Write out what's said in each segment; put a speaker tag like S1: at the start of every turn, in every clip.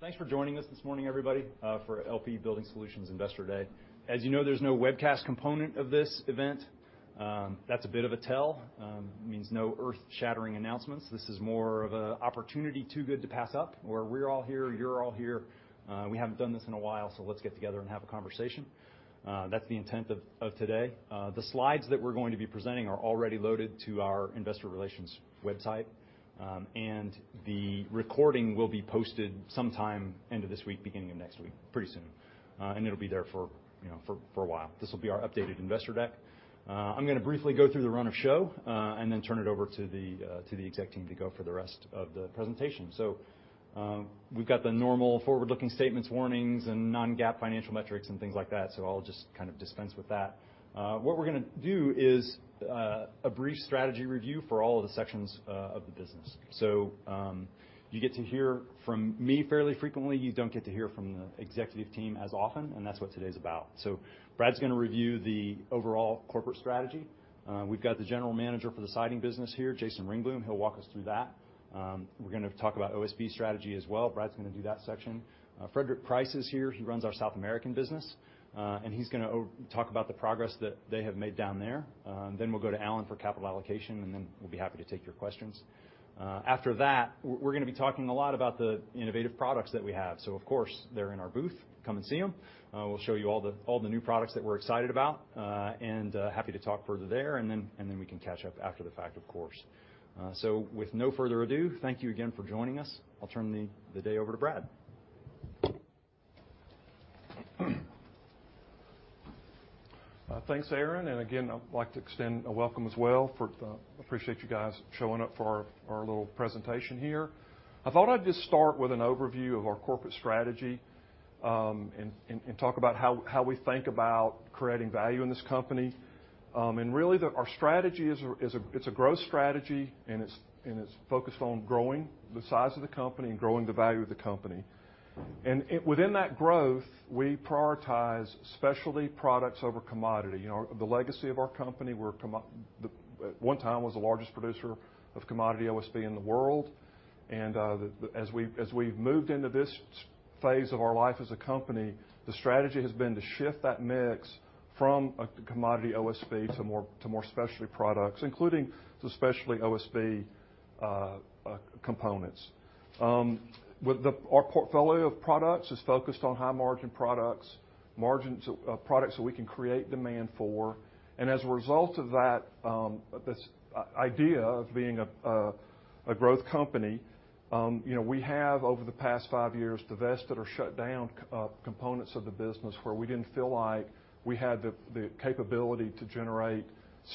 S1: Thanks for joining us this morning, everybody, for LP Building Solutions Investor Day. As you know, there's no webcast component of this event. That's a bit of a tell. Means no earth-shattering announcements. This is more of an opportunity too good to pass up, where we're all here, you're all here. We haven't done this in a while, so let's get together and have a conversation. That's the intent of, of today. The slides that we're going to be presenting are already loaded to our Investor Relations website, and the recording will be posted sometime end of this week, beginning of next week, pretty soon. And it'll be there for, you know, for, for a while. This will be our updated investor deck. I'm going to briefly go through the run-of-show, and then turn it over to the, to the exec team to go for the rest of the presentation. So, we've got the normal forward-looking statements, warnings, and non-GAAP financial metrics and things like that, so I'll just kind of dispense with that. What we're going to do is a brief strategy review for all of the sections of the business. So, you get to hear from me fairly frequently. You don't get to hear from the executive team as often, and that's what today's about. So Brad's going to review the overall corporate strategy. We've got the general manager for the siding business here, Jason Ringblom. He'll walk us through that. We're going to talk about OSB strategy as well. Brad's going to do that section. Frederick Price is here. He runs our South American business, and he's going to talk about the progress that they have made down there. Then we'll go to Alan for capital allocation, and then we'll be happy to take your questions. After that, we're going to be talking a lot about the innovative products that we have. So, of course, they're in our booth. Come and see them. We'll show you all the new products that we're excited about, and happy to talk further there, and then we can catch up after the fact, of course. So with no further ado, thank you again for joining us. I'll turn the day over to Brad.
S2: Thanks, Aaron. And again, I'd like to extend a welcome as well. I appreciate you guys showing up for our little presentation here. I thought I'd just start with an overview of our corporate strategy, and talk about how we think about creating value in this company. And really, our strategy is a growth strategy, and it's focused on growing the size of the company and growing the value of the company. And within that growth, we prioritize specialty products over commodity. You know, the legacy of our company, we were, at one time, the largest producer of commodity OSB in the world. As we've moved into this phase of our life as a company, the strategy has been to shift that mix from a commodity OSB to more specialty products, including the specialty OSB components. With our portfolio of products is focused on high-margin products that we can create demand for. As a result of that, this idea of being a growth company, you know, we have, over the past 5 years, divested or shut down components of the business where we didn't feel like we had the capability to generate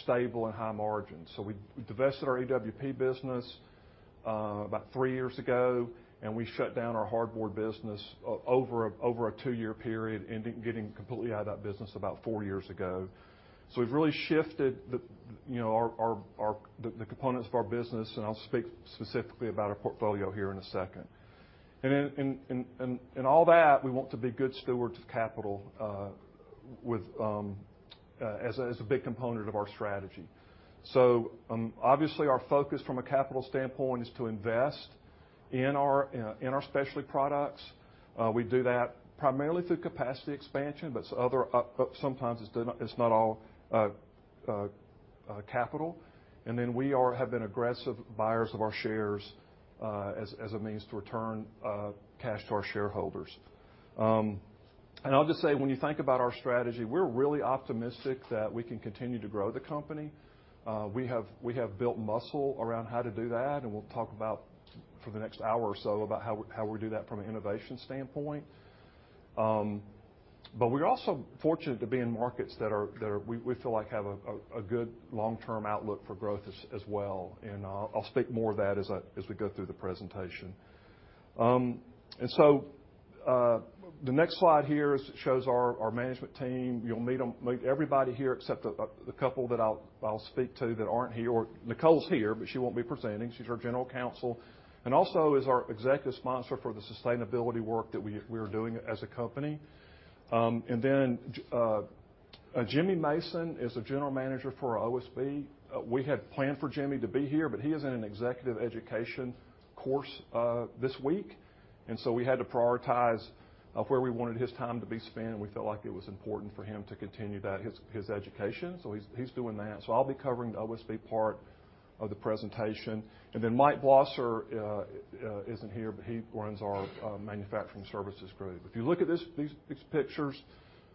S2: stable and high margins. So we divested our EWP business, about 3 years ago, and we shut down our hardboard business over a two-year period, ending getting completely out of that business about 4 years ago. So we've really shifted the, you know, our components of our business, and I'll speak specifically about our portfolio here in a second. And in all that, we want to be good stewards of capital, as a big component of our strategy. So, obviously, our focus from a capital standpoint is to invest in our specialty products. We do that primarily through capacity expansion, but other sometimes it's done; it's not all capital. And then we have been aggressive buyers of our shares, as a means to return cash to our shareholders. And I'll just say, when you think about our strategy, we're really optimistic that we can continue to grow the company. We have built muscle around how to do that, and we'll talk about for the next hour or so about how we do that from an innovation standpoint. But we're also fortunate to be in markets that we feel like have a good long-term outlook for growth as well. And I'll speak more of that as we go through the presentation. And so, the next slide here shows our management team. You'll meet everybody here except the couple that I'll speak to that aren't here. Or, Nicole's here, but she won't be presenting. She's our General Counsel and also is our Executive Sponsor for the sustainability work that we are doing as a company. And then Jimmy Mason is the General Manager for OSB. We had planned for Jimmy to be here, but he is in an executive education course this week. So we had to prioritize where we wanted his time to be spent, and we felt like it was important for him to continue that his education. So he's doing that. So I'll be covering the OSB part of the presentation. And then Mike Blosser isn't here, but he runs our manufacturing services group. If you look at these pictures,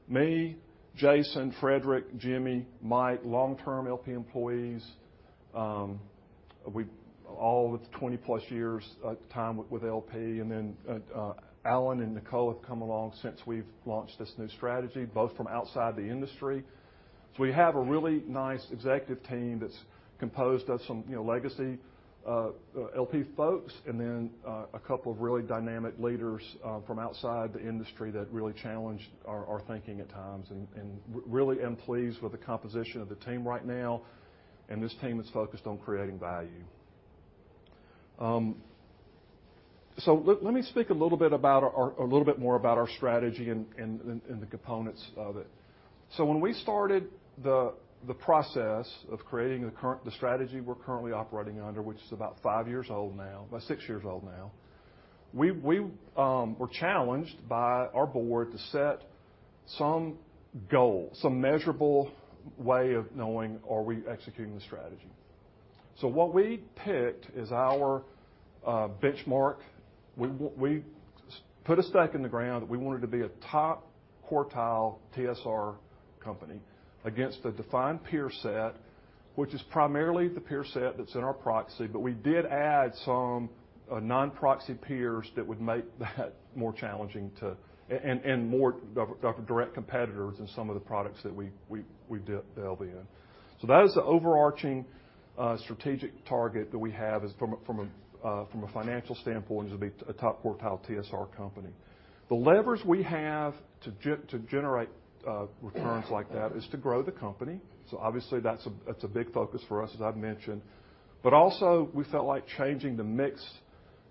S2: me, Jason, Frederick, Jimmy, Mike, long-term LP employees, we've all with 20+ years time with LP. And then Alan and Nicole have come along since we've launched this new strategy, both from outside the industry. So we have a really nice executive team that's composed of some, you know, legacy LP folks and then a couple of really dynamic leaders from outside the industry that really challenged our thinking at times and really am pleased with the composition of the team right now. And this team is focused on creating value. So let me speak a little bit about our a little bit more about our strategy and the components that so when we started the process of creating the current strategy we're currently operating under, which is about 5 years old now about 6 years old now, we were challenged by our board to set some goal, some measurable way of knowing, are we executing the strategy? So what we picked is our benchmark. We put a stake in the ground that we wanted to be a top quartile TSR company against a defined peer set, which is primarily the peer set that's in our proxy, but we did add some non-proxy peers that would make that more challenging to and more direct competitors in some of the products that we delve in. So that is the overarching strategic target that we have is from a financial standpoint, it's going to be a top quartile TSR company. The levers we have to generate returns like that is to grow the company. So obviously, that's a big focus for us, as I've mentioned. But also, we felt like changing the mix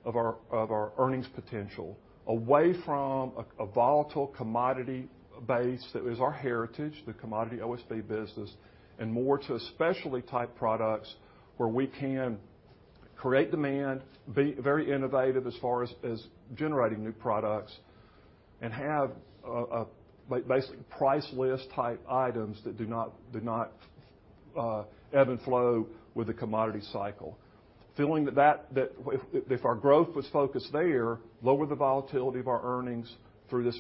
S2: of our earnings potential away from a volatile commodity base that is our heritage, the commodity OSB business, and more to specialty-type products where we can create demand, be very innovative as far as generating new products, and have a basically price list-type items that do not ebb and flow with the commodity cycle. Feeling that if our growth was focused there, lower the volatility of our earnings through this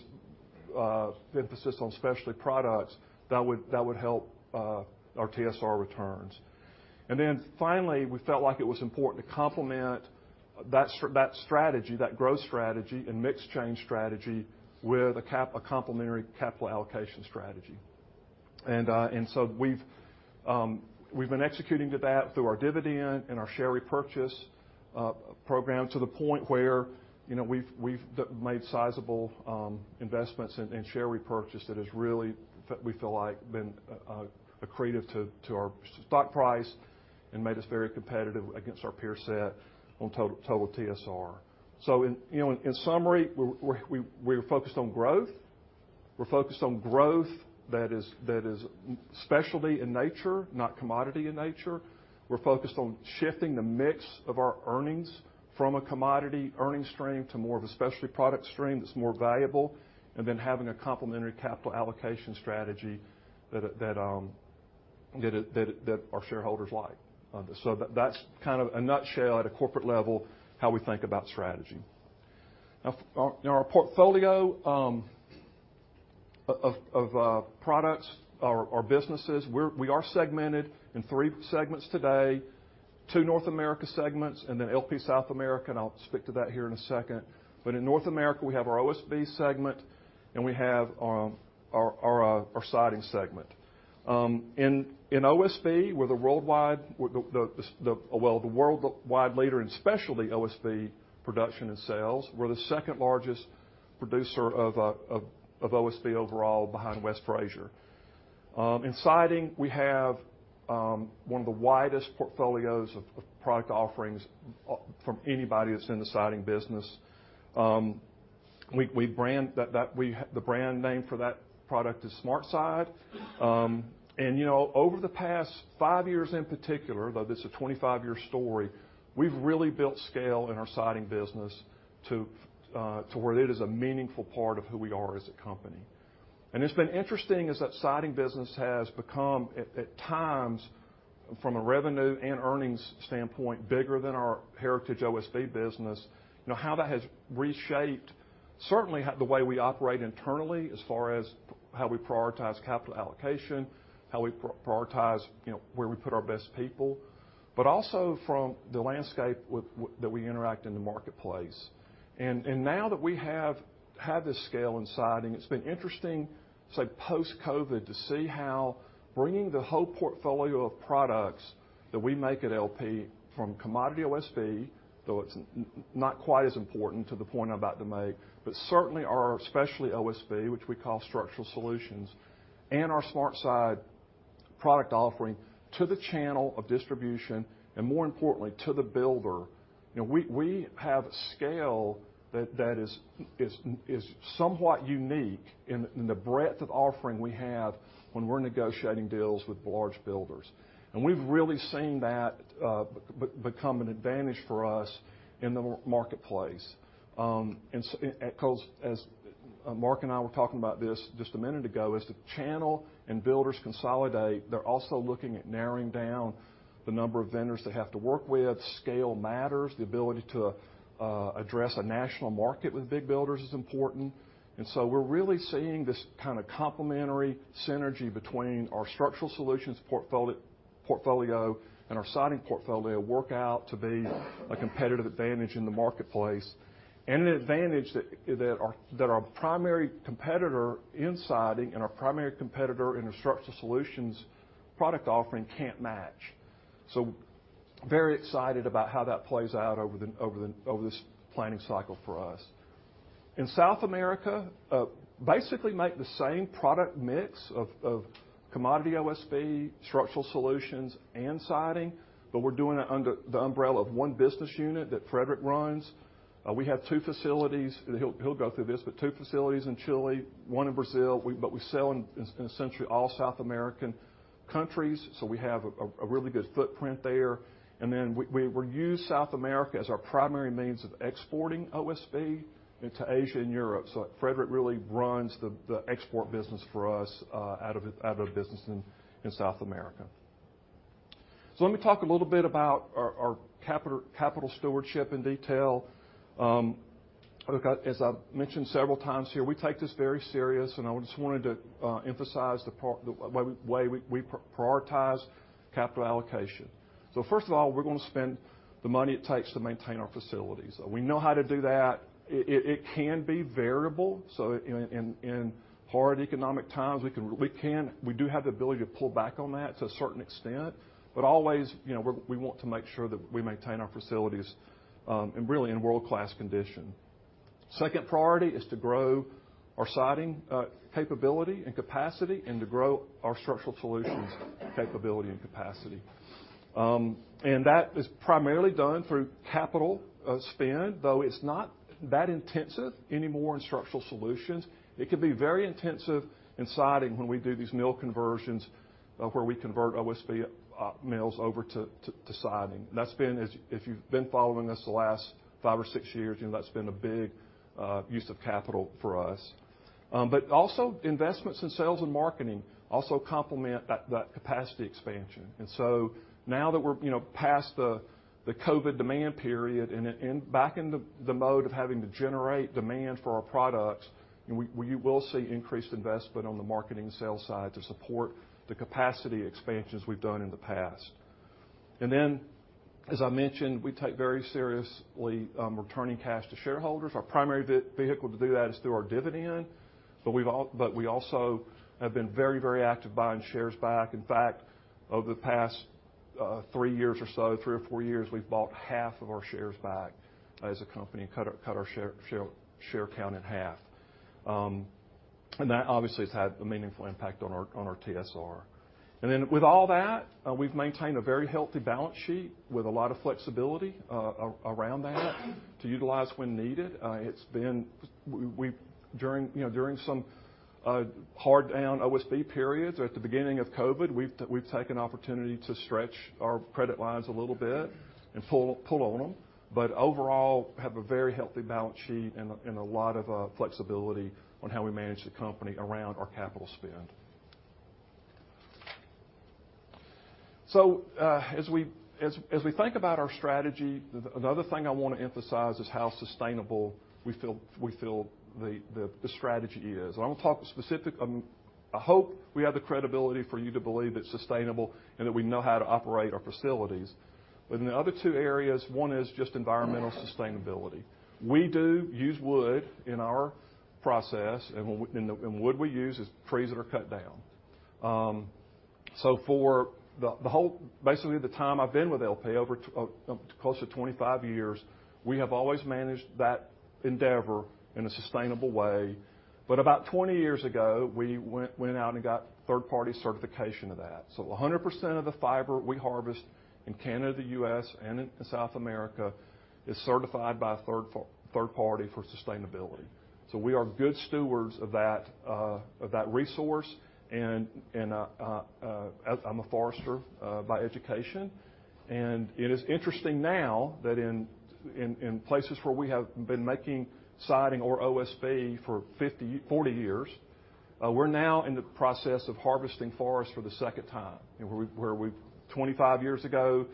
S2: emphasis on specialty products, that would help our TSR returns. And then finally, we felt like it was important to complement that strategy, that growth strategy and mixed-change strategy with a complementary capital allocation strategy. And so we've been executing to that through our dividend and our share repurchase program to the point where, you know, we've made sizable investments in share repurchase that has really, we feel like, been accretive to our stock price and made us very competitive against our peer set on total TSR. So in, you know, in summary, we're we were focused on growth. We're focused on growth that is specialty in nature, not commodity in nature. We're focused on shifting the mix of our earnings from a commodity earnings stream to more of a specialty product stream that's more valuable, and then having a complementary capital allocation strategy that our shareholders like. So that's kind of a nutshell at a corporate level how we think about strategy. Now, for our portfolio of products, our businesses, we are segmented in three segments today: two North America segments, and then LP South America, and I'll speak to that here in a second. But in North America, we have our OSB segment, and we have our siding segment. In OSB, we're the, well, the worldwide leader in specialty OSB production and sales. We're the second largest producer of OSB overall behind West Fraser. In siding, we have one of the widest portfolios of product offerings from anybody that's in the siding business. We brand that the brand name for that product is SmartSide. and, you know, over the past five years in particular, though this is a 25-year story, we've really built scale in our siding business to, to where it is a meaningful part of who we are as a company. And it's been interesting as that siding business has become, at, at times, from a revenue and earnings standpoint, bigger than our heritage OSB business, you know, how that has reshaped certainly how the way we operate internally as far as how we prioritize capital allocation, how we prioritize, you know, where we put our best people, but also from the landscape with, with that we interact in the marketplace. And now that we have this scale in siding, it's been interesting, say, post-COVID, to see how bringing the whole portfolio of products that we make at LP from commodity OSB, though it's not quite as important to the point I'm about to make, but certainly our specialty OSB, which we call Structural Solutions, and our SmartSide product offering to the channel of distribution and, more importantly, to the builder, you know, we have scale that is somewhat unique in the breadth of offering we have when we're negotiating deals with large builders. And we've really seen that become an advantage for us in the marketplace. and so, 'cause as Mark and I were talking about this just a minute ago, as the channel and builders consolidate, they're also looking at narrowing down the number of vendors they have to work with. Scale matters. The ability to address a national market with big builders is important. And so we're really seeing this kind of complementary synergy between our Structural Solutions portfolio and our siding portfolio work out to be a competitive advantage in the marketplace and an advantage that our primary competitor in siding and our primary competitor in our Structural Solutions product offering can't match. So very excited about how that plays out over this planning cycle for us. In South America, basically make the same product mix of commodity OSB, Structural Solutions, and Siding, but we're doing it under the umbrella of one business unit that Frederick runs. We have two facilities. He'll go through this, but two facilities in Chile, one in Brazil. We sell in essentially all South American countries, so we have a really good footprint there. And then we use South America as our primary means of exporting OSB into Asia and Europe. So Frederick really runs the export business for us, out of the business in South America. So let me talk a little bit about our capital stewardship in detail. Look, as I've mentioned several times here, we take this very seriously, and I just wanted to emphasize the way we prioritize capital allocation. So first of all, we're going to spend the money it takes to maintain our facilities. We know how to do that. It can be variable, so in hard economic times, we do have the ability to pull back on that to a certain extent, but always, you know, we want to make sure that we maintain our facilities, and really in world-class condition. Second priority is to grow our siding capability and capacity and to grow our structural solutions capability and capacity. And that is primarily done through capital spend, though it's not that intensive anymore in structural solutions. It can be very intensive in siding when we do these mill conversions, where we convert OSB mills over to siding. That's been, as if you've been following us the last 5 years or 6 years, you know, that's been a big use of capital for us. But also, investments in sales and marketing also complement that capacity expansion. And so now that we're, you know, past the COVID demand period and back in the mode of having to generate demand for our products, you know, we will see increased investment on the marketing sales side to support the capacity expansions we've done in the past. And then, as I mentioned, we take very seriously returning cash to shareholders. Our primary vehicle to do that is through our dividend, but we've all but we also have been very, very active buying shares back. In fact, over the past 3 years or so, 3 years or 4 years, we've bought half of our shares back as a company and cut our share count in half. And that obviously has had a meaningful impact on our TSR. And then with all that, we've maintained a very healthy balance sheet with a lot of flexibility around that to utilize when needed. It's been we during, you know, during some hard-down OSB periods or at the beginning of COVID, we've taken opportunity to stretch our credit lines a little bit and pull on them, but overall have a very healthy balance sheet and a lot of flexibility on how we manage the company around our capital spend. So, as we think about our strategy, another thing I want to emphasize is how sustainable we feel the strategy is. And I'm going to talk specific. I hope we have the credibility for you to believe it's sustainable and that we know how to operate our facilities. But in the other two areas, one is just environmental sustainability. We do use wood in our process, and the wood we use is trees that are cut down. So for the whole, basically, the time I've been with LP, over close to 25 years, we have always managed that endeavor in a sustainable way. But about 20 years ago, we went out and got third-party certification of that. So 100% of the fiber we harvest in Canada, the US, and in South America is certified by a third party for sustainability. So we are good stewards of that resource, and as I'm a forester by education. And it is interesting now that in places where we have been making siding or OSB for 50 years or 40 years, we're now in the process of harvesting forest for the second time, you know, where we've 25 years ago,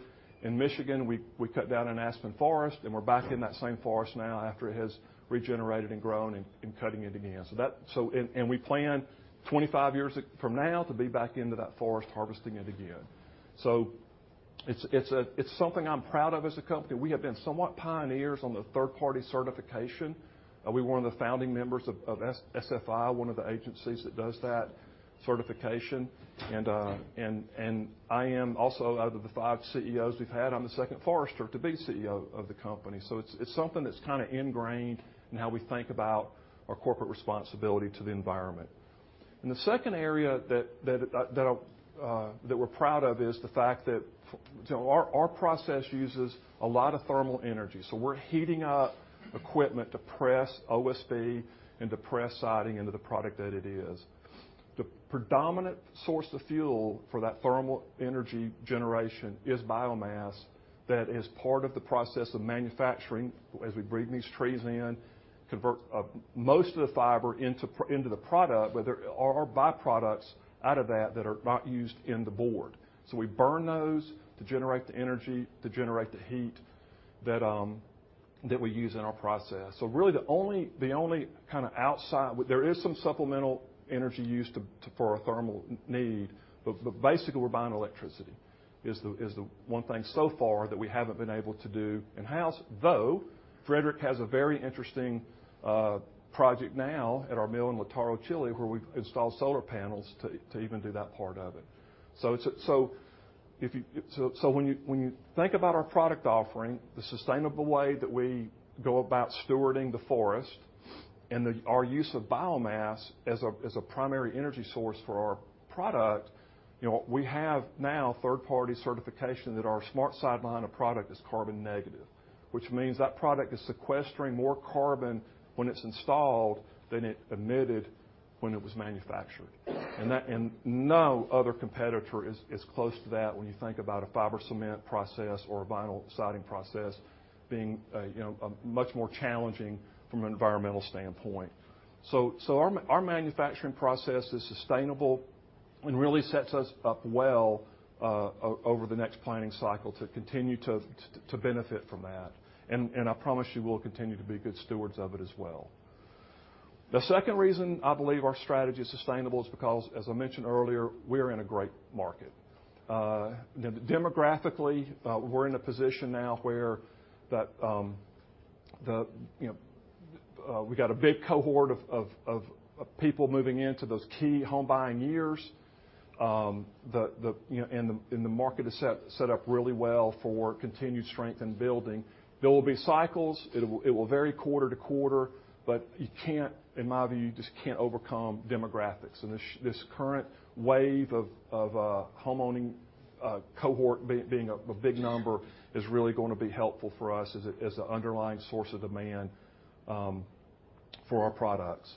S2: in Michigan, we cut down an aspen forest, and we're back in that same forest now after it has regenerated and grown and cutting it again. So, and we plan 25 years from now to be back into that forest harvesting it again. So it's something I'm proud of as a company. We have been somewhat pioneers on the third-party certification. We were one of the founding members of SFI, one of the agencies that does that certification. And I am also out of the five CEOs we've had, I'm the second forester to be CEO of the company. So it's something that's kind of ingrained in how we think about our corporate responsibility to the environment. And the second area that I'll that we're proud of is the fact that, you know, our process uses a lot of thermal energy. So we're heating up equipment to press OSB and to press siding into the product that it is. The predominant source of fuel for that thermal energy generation is biomass that is part of the process of manufacturing as we breed these trees in, convert most of the fiber into the product, but there are byproducts out of that that are not used in the board. So we burn those to generate the energy, to generate the heat that we use in our process. So really, the only kind of outside there is some supplemental energy used to for our thermal need, but basically, we're buying electricity is the one thing so far that we haven't been able to do in-house, though Frederick has a very interesting project now at our mill in Lautaro, Chile, where we've installed solar panels to even do that part of it. So, when you think about our product offering, the sustainable way that we go about stewarding the forest and our use of biomass as a primary energy source for our product, you know, we have now third-party certification that our SmartSide line of product is carbon negative, which means that product is sequestering more carbon when it's installed than it emitted when it was manufactured. And that no other competitor is close to that when you think about a fiber cement process or a vinyl siding process being, you know, a much more challenging from an environmental standpoint. So our manufacturing process is sustainable and really sets us up well over the next planning cycle to continue to benefit from that. And I promise you we'll continue to be good stewards of it as well. The second reason I believe our strategy is sustainable is because, as I mentioned earlier, we're in a great market. Now, demographically, we're in a position now where that, the, you know, we got a big cohort of people moving into those key home-buying years. The, the, you know, and the market is set up really well for continued strength and building. There will be cycles. It'll vary quarter to quarter, but you can't, in my view, you just can't overcome demographics. And this current wave of home-owning cohort being a big number is really going to be helpful for us as an underlying source of demand for our products.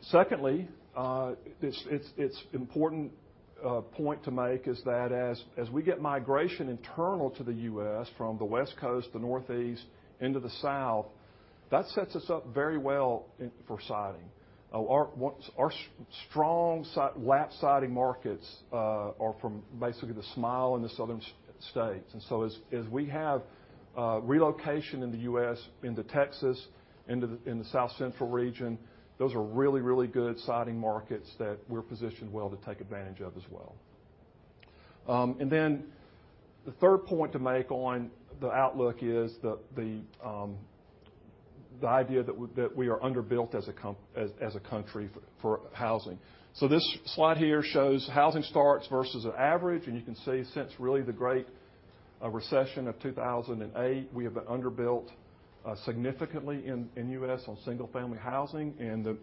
S2: Secondly, it's important point to make is that as we get migration internal to the U.S. from the West Coast, the Northeast, into the South, that sets us up very well for siding. Our strong lap siding markets are from basically the Sunbelt and the Southern States. And so as we have relocation in the U.S., into Texas, into the South Central region, those are really good siding markets that we're positioned well to take advantage of as well. And then the third point to make on the outlook is the idea that we are underbuilt as a country for housing. So this slide here shows housing starts versus an average, and you can see since really the Great Recession of 2008, we have been underbuilt significantly in the U.S. on single-family housing, and the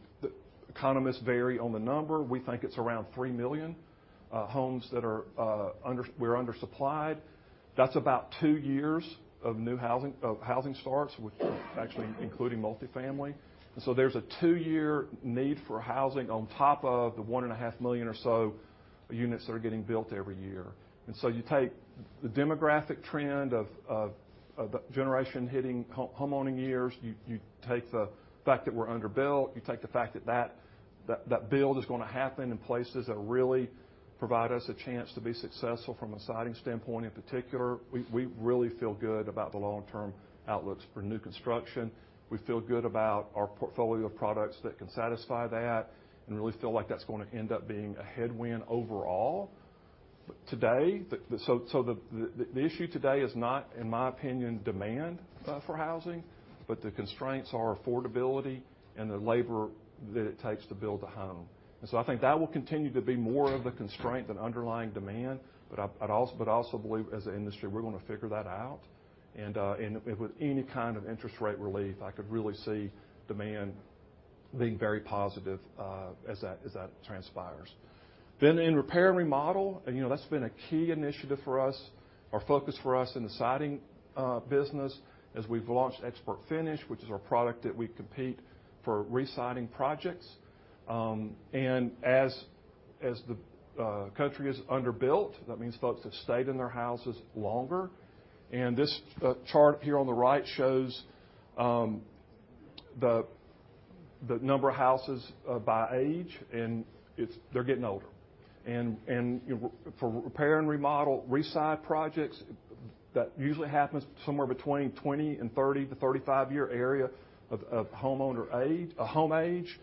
S2: economists vary on the number. We think it's around 3 million homes that we're undersupplied. That's about two years of new housing starts, actually including multifamily. And so there's a two-year need for housing on top of the 1.5 million or so units that are getting built every year. And so you take the demographic trend of the generation hitting home-owning years, you take the fact that we're underbuilt, you take the fact that that build is going to happen in places that really provide us a chance to be successful from a siding standpoint in particular. We really feel good about the long-term outlooks for new construction. We feel good about our portfolio of products that can satisfy that and really feel like that's going to end up being a headwind overall. But today, the issue today is not, in my opinion, demand for housing, but the constraints are affordability and the labor that it takes to build a home. And so I think that will continue to be more of the constraint than underlying demand, but I'd also believe as an industry, we're going to figure that out. And with any kind of interest rate relief, I could really see demand being very positive, as that transpires. Then in repair and remodel, you know, that's been a key initiative for us, our focus for us in the siding business as we've launched ExpertFinish, which is our product that we compete for re-siding projects. And as the country is underbuilt, that means folks have stayed in their houses longer. And this chart here on the right shows the number of houses by age, and they're getting older. And you know, for repair and remodel re-side projects, that usually happens somewhere between 20-year and 30-year to 35-year area of home age.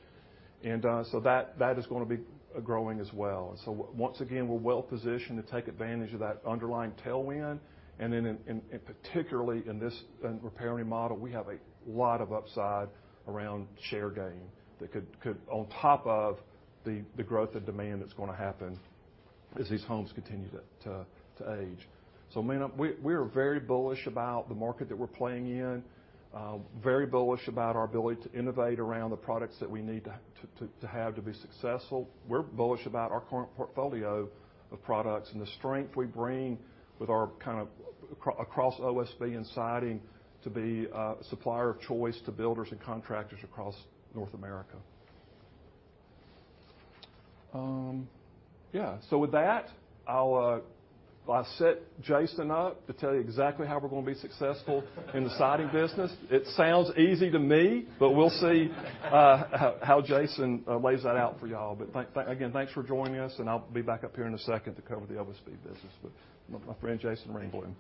S2: And so that is going to be growing as well. And so once again, we're well-positioned to take advantage of that underlying tailwind. And then, in particular, in this repair and remodel, we have a lot of upside around share gain that could, on top of the growth of demand that's going to happen as these homes continue to age. So, man, we are very bullish about the market that we're playing in, very bullish about our ability to innovate around the products that we need to have to be successful. We're bullish about our current portfolio of products and the strength we bring with our kind of across OSB and siding to be a supplier of choice to builders and contractors across North America. Yeah. So with that, I'll set Jason up to tell you exactly how we're going to be successful in the siding business. It sounds easy to me, but we'll see how Jason lays that out for y'all. But thanks again, thanks for joining us, and I'll be back up here in a second to cover the OSB business, but my friend Jason Ringblom.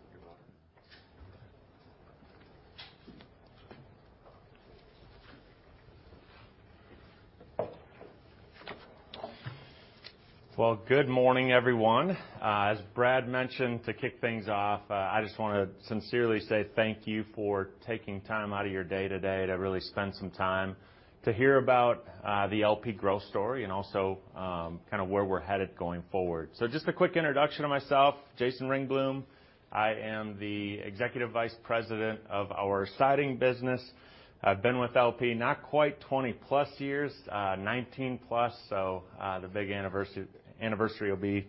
S3: Well, good morning, everyone. As Brad mentioned, to kick things off, I just want to sincerely say thank you for taking time out of your day today to really spend some time to hear about the LP growth story and also kind of where we're headed going forward. So just a quick introduction of myself. Jason Ringblom. I am the executive vice president of our siding business. I've been with LP not quite 20-plus years, 19-plus, so the big anniversary will be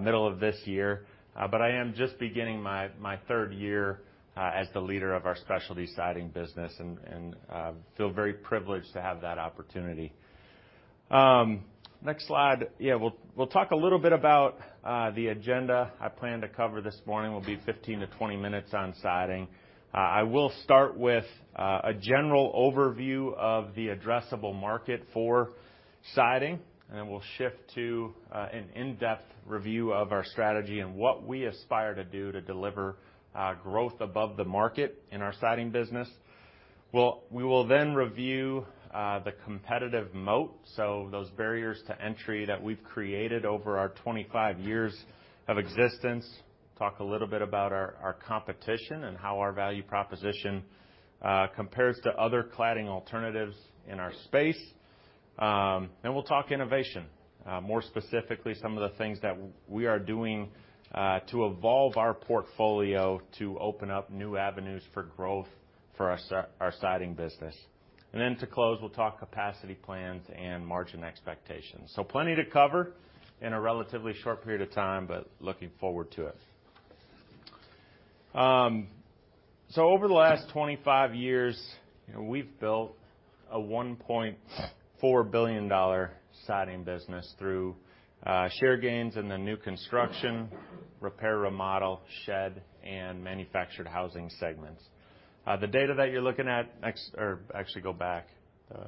S3: middle of this year. But I am just beginning my third year as the leader of our specialty siding business and feel very privileged to have that opportunity. Next slide. Yeah, we'll talk a little bit about the agenda I plan to cover this morning. We'll be 15 minutes-20 minutes on siding. I will start with a general overview of the addressable market for siding, and then we'll shift to an in-depth review of our strategy and what we aspire to do to deliver growth above the market in our siding business. We will then review the competitive moat, so those barriers to entry that we've created over our 25 years of existence, talk a little bit about our competition and how our value proposition compares to other cladding alternatives in our space. Then we'll talk innovation, more specifically some of the things that we are doing, to evolve our portfolio to open up new avenues for growth for our siding business. And then to close, we'll talk capacity plans and margin expectations. So plenty to cover in a relatively short period of time, but looking forward to it. So over the last 25 years, you know, we've built a $1.4 billion siding business through share gains in the new construction, repair, remodel, shed, and manufactured housing segments. The data that you're looking at next or actually, go back. The,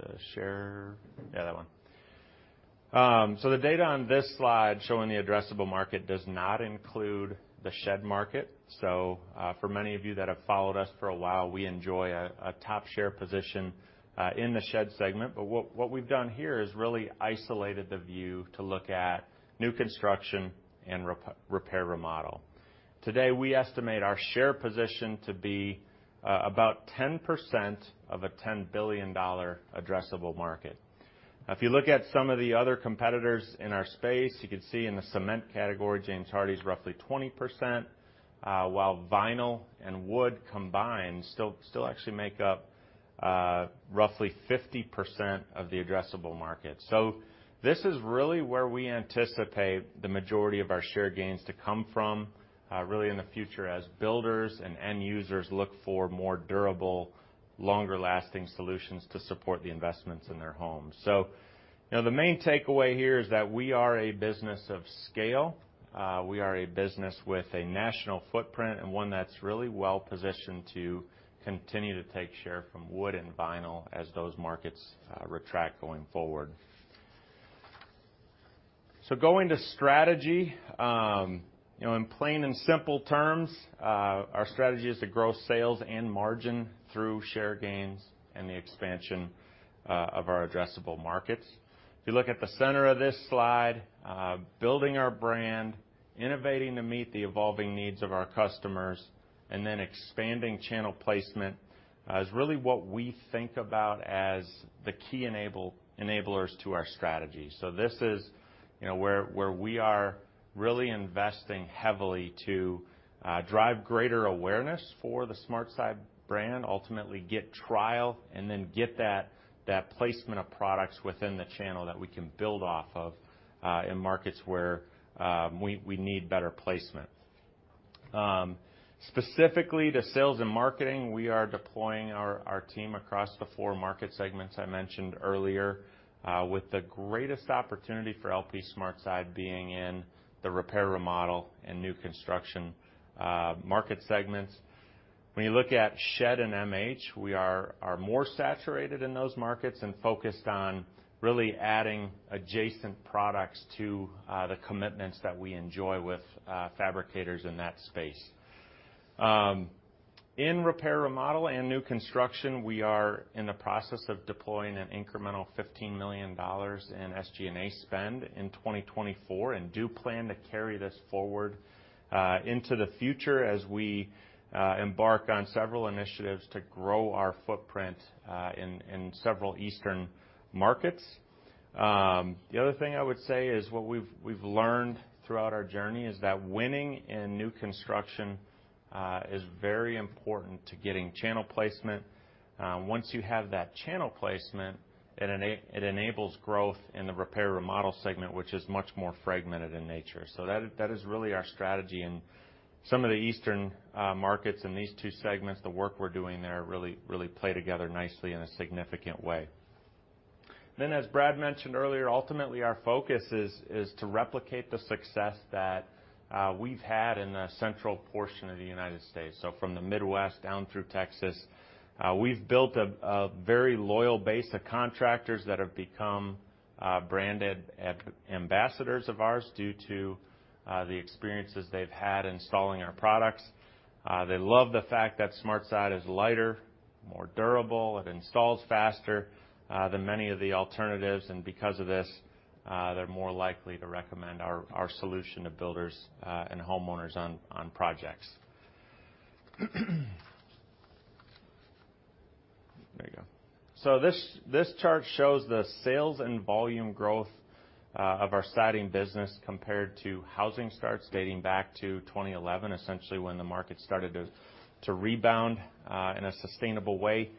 S3: the share yeah, that one. So the data on this slide showing the addressable market does not include the shed market. So, for many of you that have followed us for a while, we enjoy a, a top share position, in the shed segment. But what we've done here is really isolated the view to look at new construction and repair, remodel. Today, we estimate our share position to be about 10% of a $10 billion addressable market. Now, if you look at some of the other competitors in our space, you can see in the cement category, James Hardie's roughly 20%, while vinyl and wood combined still actually make up roughly 50% of the addressable market. So this is really where we anticipate the majority of our share gains to come from, really in the future as builders and end users look for more durable, longer-lasting solutions to support the investments in their homes. So, you know, the main takeaway here is that we are a business of scale. We are a business with a national footprint and one that's really well-positioned to continue to take share from wood and vinyl as those markets retract going forward. So going to strategy, you know, in plain and simple terms, our strategy is to grow sales and margin through share gains and the expansion of our addressable markets. If you look at the center of this slide, building our brand, innovating to meet the evolving needs of our customers, and then expanding channel placement, is really what we think about as the key enablers to our strategy. So this is, you know, where we are really investing heavily to drive greater awareness for the SmartSide brand, ultimately get trial, and then get that placement of products within the channel that we can build off of, in markets where we need better placement. Specifically to sales and marketing, we are deploying our team across the four market segments I mentioned earlier, with the greatest opportunity for LP SmartSide being in the repair, remodel, and new construction market segments. When you look at shed and MH, we are more saturated in those markets and focused on really adding adjacent products to the commitments that we enjoy with fabricators in that space. In repair, remodel, and new construction, we are in the process of deploying an incremental $15 million in SG&A spend in 2024 and do plan to carry this forward into the future as we embark on several initiatives to grow our footprint in several Eastern markets. The other thing I would say is what we've learned throughout our journey is that winning in new construction is very important to getting channel placement. Once you have that channel placement, it enables growth in the repair, remodel segment, which is much more fragmented in nature. So that, that is really our strategy. And some of the Eastern markets in these two segments, the work we're doing there really, really play together nicely in a significant way. Then as Brad mentioned earlier, ultimately, our focus is to replicate the success that we've had in the central portion of the United States. So from the Midwest down through Texas, we've built a very loyal base of contractors that have become branded ambassadors of ours due to the experiences they've had installing our products. They love the fact that SmartSide is lighter, more durable. It installs faster than many of the alternatives. And because of this, they're more likely to recommend our solution to builders and homeowners on projects. There you go. So this chart shows the sales and volume growth of our siding business compared to housing starts dating back to 2011, essentially when the market started to rebound in a sustainable way.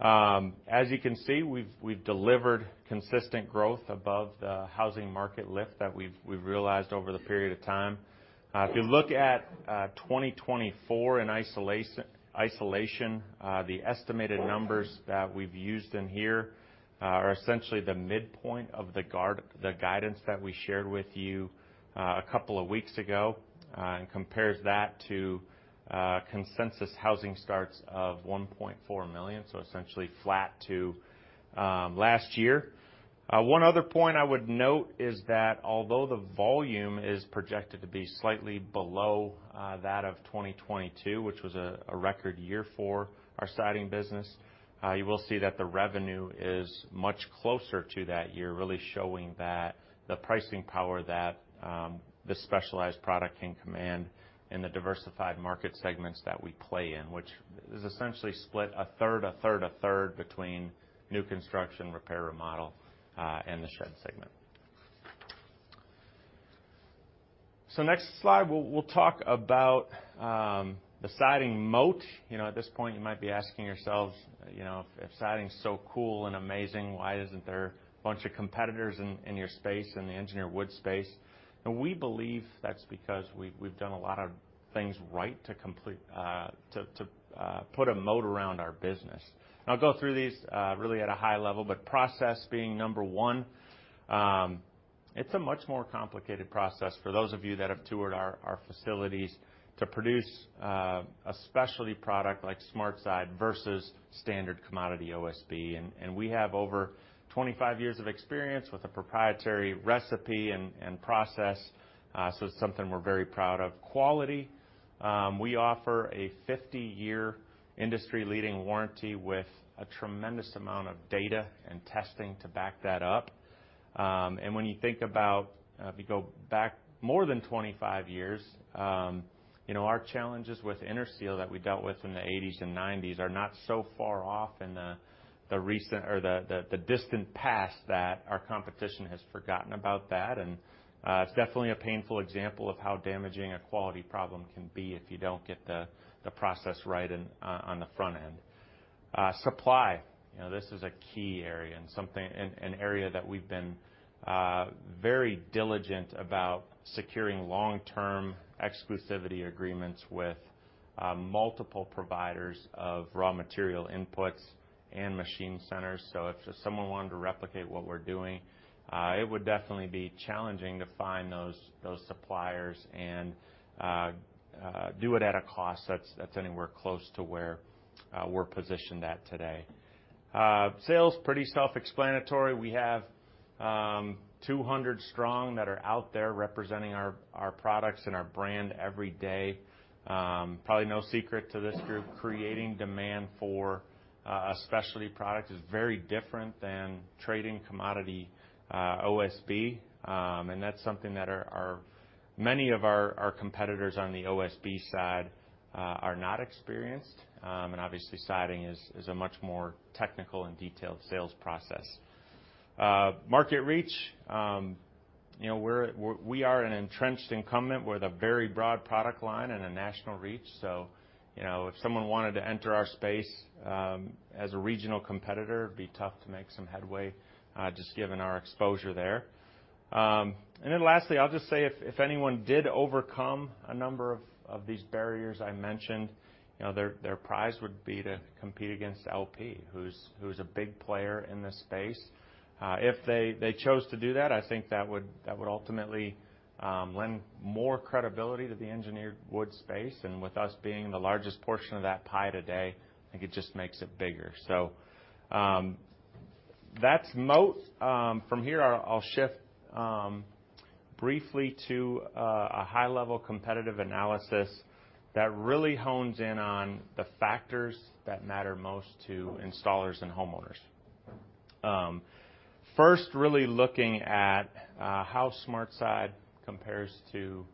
S3: As you can see, we've delivered consistent growth above the housing market lift that we've realized over the period of time. If you look at 2024 in isolation, the estimated numbers that we've used in here are essentially the midpoint of our guidance that we shared with you a couple of weeks ago, and compares that to consensus housing starts of 1.4 million, so essentially flat to last year. One other point I would note is that although the volume is projected to be slightly below that of 2022, which was a record year for our siding business, you will see that the revenue is much closer to that year, really showing that the pricing power this specialized product can command in the diversified market segments that we play in, which is essentially split a third, a third, a third between new construction, repair, remodel, and the shed segment. So next slide, we'll talk about the siding moat. You know, at this point, you might be asking yourselves, you know, if siding's so cool and amazing, why isn't there a bunch of competitors in your space, in the engineered wood space? And we believe that's because we've done a lot of things right to compete to put a moat around our business. And I'll go through these, really at a high level, but process being number one, it's a much more complicated process for those of you that have toured our facilities to produce a specialty product like SmartSide versus standard commodity OSB. And we have over 25 years of experience with a proprietary recipe and process, so it's something we're very proud of. Quality, we offer a 50-year industry-leading warranty with a tremendous amount of data and testing to back that up. And when you think about if you go back more than 25 years, you know, our challenges with InnerSeal that we dealt with in the 1980s and 1990s are not so far off in the recent or the distant past that our competition has forgotten about that. It's definitely a painful example of how damaging a quality problem can be if you don't get the process right in on the front end. Supply, you know, this is a key area and something an area that we've been very diligent about securing long-term exclusivity agreements with multiple providers of raw material inputs and machine centers. So if someone wanted to replicate what we're doing, it would definitely be challenging to find those suppliers and do it at a cost that's anywhere close to where we're positioned at today. Sales, pretty self-explanatory. We have 200 strong that are out there representing our products and our brand every day. Probably no secret to this group, creating demand for a specialty product is very different than trading commodity OSB. That's something that many of our competitors on the OSB side are not experienced. Obviously, siding is a much more technical and detailed sales process. Market reach, you know, we are an entrenched incumbent. We have a very broad product line and a national reach. So, you know, if someone wanted to enter our space, as a regional competitor, it'd be tough to make some headway, just given our exposure there. Then lastly, I'll just say if anyone did overcome a number of these barriers I mentioned, you know, their prize would be to compete against LP, who's a big player in this space. If they chose to do that, I think that would ultimately lend more credibility to the engineered wood space. With us being the largest portion of that pie today, I think it just makes it bigger. So, that's moat. From here, I'll shift briefly to a high-level competitive analysis that really hones in on the factors that matter most to installers and homeowners. First, really looking at how SmartSide compares to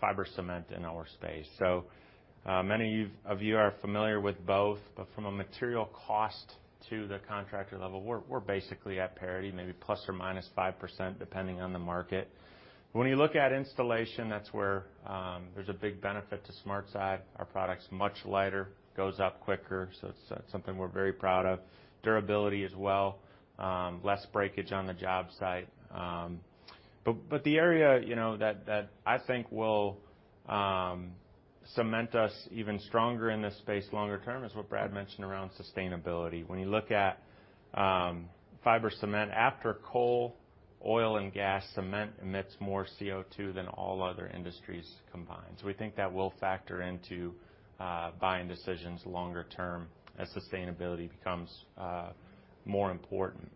S3: fiber cement in our space. So, many of you are familiar with both, but from a material cost to the contractor level, we're basically at parity, maybe ±5% depending on the market. When you look at installation, that's where there's a big benefit to SmartSide. Our product's much lighter, goes up quicker, so it's something we're very proud of. Durability as well, less breakage on the job site. But the area, you know, that I think will cement us even stronger in this space longer term is what Brad mentioned around sustainability. When you look at fiber cement, after coal, oil, and gas, cement emits more CO2 than all other industries combined. So we think that will factor into buying decisions longer term as sustainability becomes more important.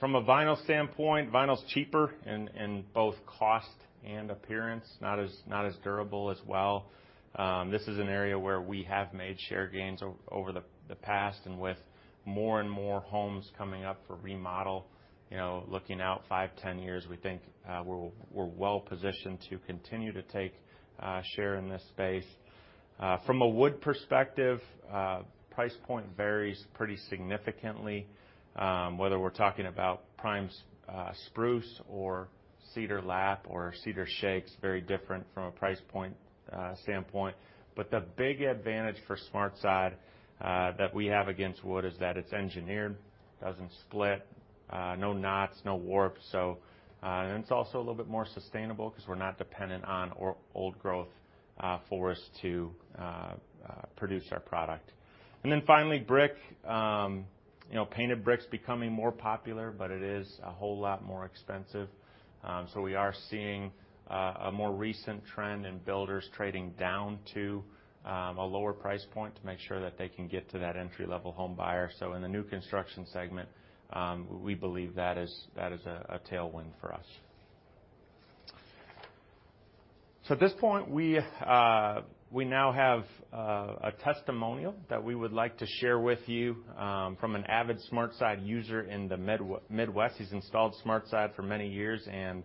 S3: From a vinyl standpoint, vinyl's cheaper in both cost and appearance, not as durable as well. This is an area where we have made share gains over the past and with more and more homes coming up for remodel, you know, looking out 5 years-10 years, we think we're well-positioned to continue to take share in this space. From a wood perspective, price point varies pretty significantly, whether we're talking about prime spruce or cedar lap or cedar shakes, very different from a price point standpoint. But the big advantage for SmartSide that we have against wood is that it's engineered, doesn't split, no knots, no warps. So, and it's also a little bit more sustainable 'cause we're not dependent on old growth for us to produce our product. And then finally, brick, you know, painted bricks becoming more popular, but it is a whole lot more expensive. So we are seeing a more recent trend in builders trading down to a lower price point to make sure that they can get to that entry-level home buyer. So in the new construction segment, we believe that is a tailwind for us. So at this point, we now have a testimonial that we would like to share with you from an avid SmartSide user in the Midwest. He's installed SmartSide for many years, and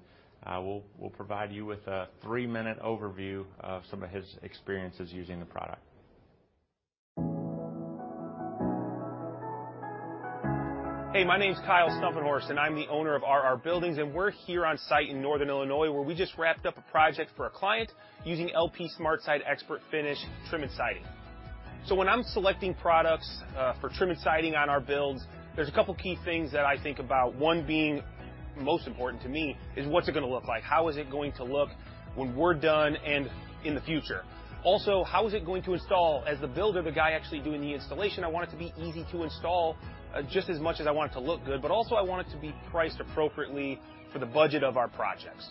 S3: we'll provide you with a 3-minute overview of some of his experiences using the product.
S4: Hey, my name's Kyle Stumpenhorst, and I'm the owner of RR Buildings. And we're here on site in Northern Illinois where we just wrapped up a project for a client using LP SmartSide ExpertFinish trim and siding. So when I'm selecting products for trim and siding on our builds, there's a couple key things that I think about. One being most important to me is what's it gonna look like? How is it going to look when we're done and in the future? Also, how is it going to install? As the builder, the guy actually doing the installation, I want it to be easy to install, just as much as I want it to look good. But also, I want it to be priced appropriately for the budget of our projects.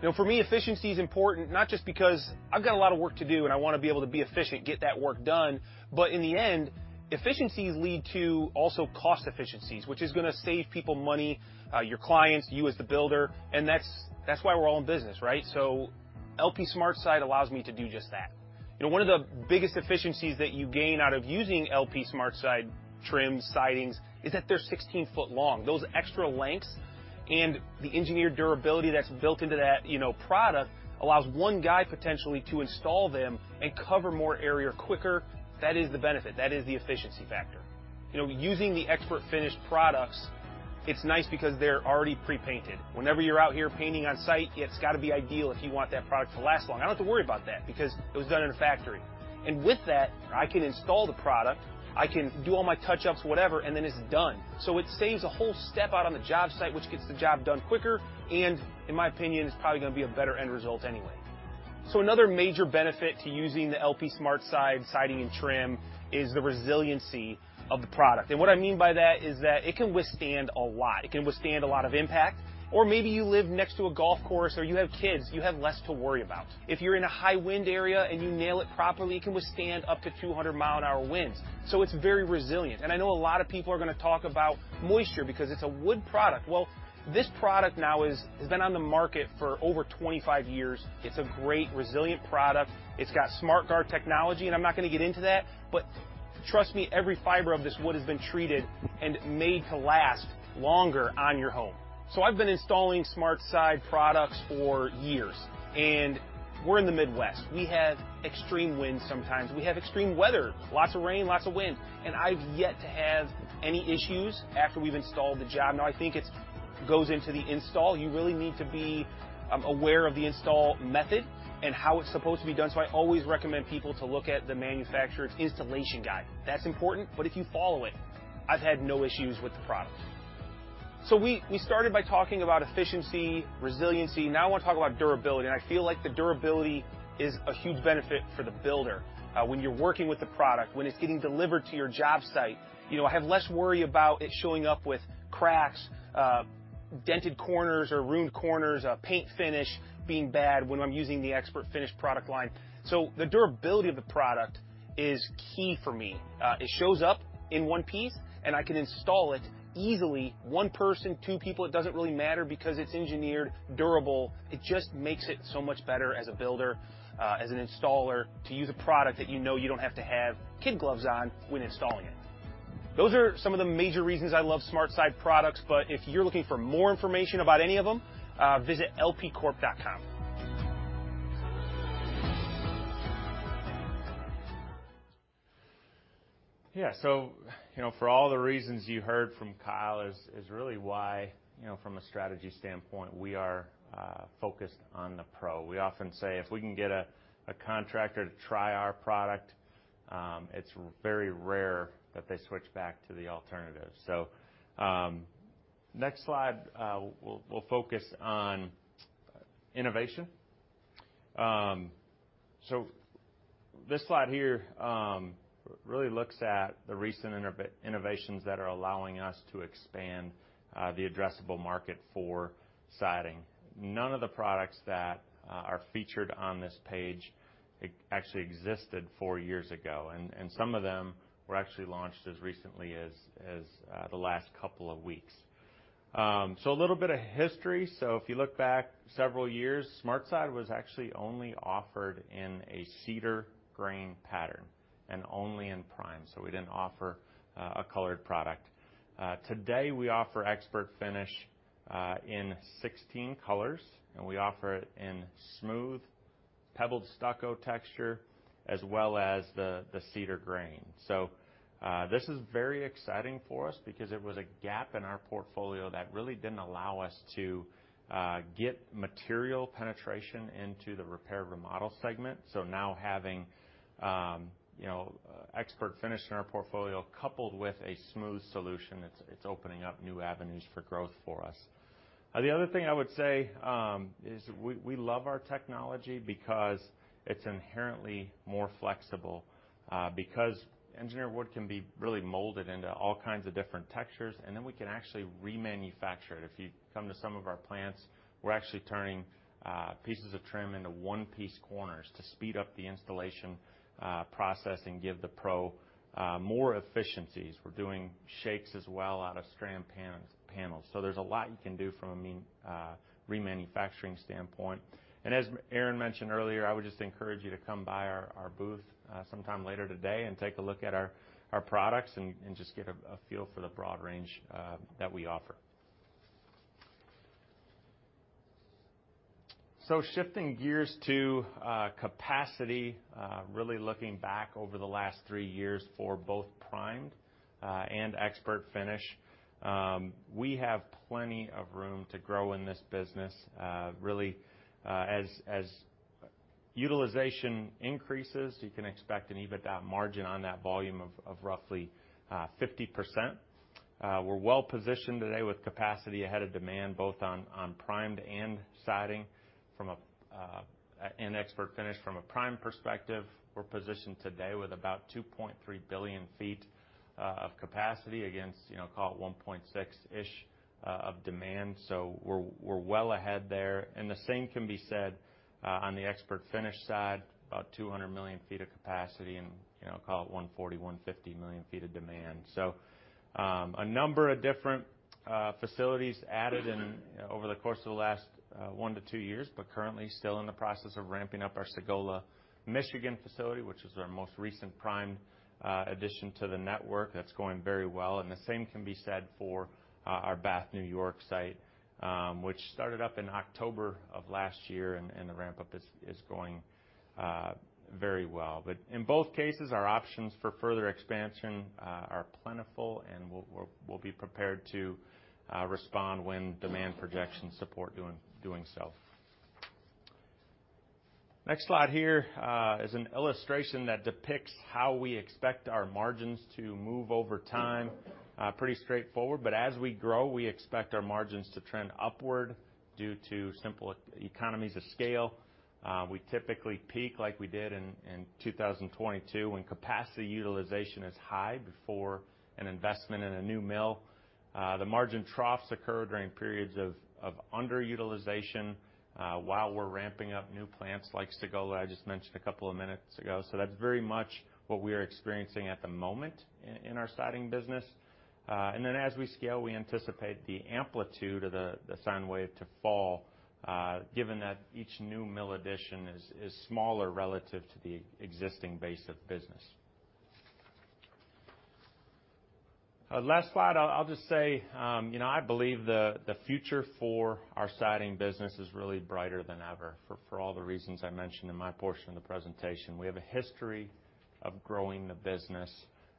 S4: You know, for me, efficiency's important, not just because I've got a lot of work to do and I wanna be able to be efficient, get that work done. But in the end, efficiencies lead to also cost efficiencies, which is gonna save people money, your clients, you as the builder. And that's, that's why we're all in business, right? So LP SmartSide allows me to do just that. You know, one of the biggest efficiencies that you gain out of using LP SmartSide trims, sidings, is that they're 16-foot long, those extra lengths. The engineered durability that's built into that, you know, product allows one guy potentially to install them and cover more area quicker. That is the benefit. That is the efficiency factor. You know, using the ExpertFinish products, it's nice because they're already pre-painted. Whenever you're out here painting on site, it's gotta be ideal if you want that product to last long. I don't have to worry about that because it was done in a factory. And with that, I can install the product. I can do all my touch-ups, whatever, and then it's done. So it saves a whole step out on the job site, which gets the job done quicker and, in my opinion, is probably gonna be a better end result anyway. So another major benefit to using the LP SmartSide siding and trim is the resiliency of the product. What I mean by that is that it can withstand a lot. It can withstand a lot of impact. Or maybe you live next to a golf course or you have kids. You have less to worry about. If you're in a high-wind area and you nail it properly, it can withstand up to 200-mile-per-hour winds. So it's very resilient. And I know a lot of people are gonna talk about moisture because it's a wood product. Well, this product now is, has been on the market for over 25 years. It's a great, resilient product. It's got SmartGuard technology, and I'm not gonna get into that. But trust me, every fiber of this wood has been treated and made to last longer on your home. So I've been installing SmartSide products for years, and we're in the Midwest. We have extreme winds sometimes. We have extreme weather, lots of rain, lots of wind. I've yet to have any issues after we've installed the job. Now, I think it goes into the install. You really need to be aware of the install method and how it's supposed to be done. So I always recommend people to look at the manufacturer's installation guide. That's important, but if you follow it, I've had no issues with the product. So we started by talking about efficiency, resiliency. Now, I wanna talk about durability. I feel like the durability is a huge benefit for the builder, when you're working with the product, when it's getting delivered to your job site. You know, I have less worry about it showing up with cracks, dented corners or ruined corners, paint finish being bad when I'm using the ExpertFinish product line. So the durability of the product is key for me. It shows up in one piece, and I can install it easily, one person, two people. It doesn't really matter because it's engineered, durable. It just makes it so much better as a builder, as an installer to use a product that you know you don't have to have kid gloves on when installing it. Those are some of the major reasons I love SmartSide products. But if you're looking for more information about any of them, visit lpcorp.com.
S3: Yeah. So, you know, for all the reasons you heard from Kyle is, is really why, you know, from a strategy standpoint, we are, focused on the pro. We often say if we can get a, a contractor to try our product, it's very rare that they switch back to the alternative. So, next slide, we'll, we'll focus on, innovation. So this slide here really looks at the recent innovations that are allowing us to expand the addressable market for siding. None of the products that are featured on this page actually existed four years ago. And some of them were actually launched as recently as the last couple of weeks. A little bit of history. If you look back several years, SmartSide was actually only offered in a cedar grain pattern and only in primed. So we didn't offer a colored product. Today, we offer ExpertFinish in 16 colors. And we offer it in smooth pebbled stucco texture as well as the cedar grain. So this is very exciting for us because it was a gap in our portfolio that really didn't allow us to get material penetration into the repair/remodel segment. So now having, you know, ExpertFinish in our portfolio coupled with a smooth solution, it's, it's opening up new avenues for growth for us. The other thing I would say is we, we love our technology because it's inherently more flexible, because engineered wood can be really molded into all kinds of different textures. And then we can actually remanufacture it. If you come to some of our plants, we're actually turning pieces of trim into one-piece corners to speed up the installation process and give the pro more efficiencies. We're doing shakes as well out of strand panels. So there's a lot you can do from a, I mean, remanufacturing standpoint. As Aaron mentioned earlier, I would just encourage you to come by our booth sometime later today and take a look at our products and just get a feel for the broad range that we offer. So shifting gears to capacity, really looking back over the last three years for both primed and ExpertFinish, we have plenty of room to grow in this business, really, as utilization increases, you can expect an EBITDA margin on that volume of roughly 50%. We're well-positioned today with capacity ahead of demand both on primed and siding and ExpertFinish from a prime perspective. We're positioned today with about 2.3 billion feet of capacity against, you know, call it 1.6-ish of demand. So we're well ahead there. The same can be said, on the ExpertFinish side, about 200 million feet of capacity and, you know, call it 140-150 million feet of demand. So, a number of different facilities added in, you know, over the course of the last 1-2 years, but currently still in the process of ramping up our Sagola, Michigan facility, which is our most recent primed addition to the network that's going very well. The same can be said for our Bath, New York site, which started up in October of last year. And the ramp-up is going very well. But in both cases, our options for further expansion are plentiful, and we'll be prepared to respond when demand projections support doing so. Next slide here is an illustration that depicts how we expect our margins to move over time, pretty straightforward. But as we grow, we expect our margins to trend upward due to simple economies of scale. We typically peak like we did in 2022 when capacity utilization is high before an investment in a new mill. The margin troughs occur during periods of underutilization, while we're ramping up new plants like Sagola I just mentioned a couple of minutes ago. So that's very much what we are experiencing at the moment in our siding business. And then as we scale, we anticipate the amplitude of the sine wave to fall, given that each new mill addition is smaller relative to the existing base of business. Last slide, I'll just say, you know, I believe the future for our siding business is really brighter than ever for all the reasons I mentioned in my portion of the presentation. We have a history of growing the business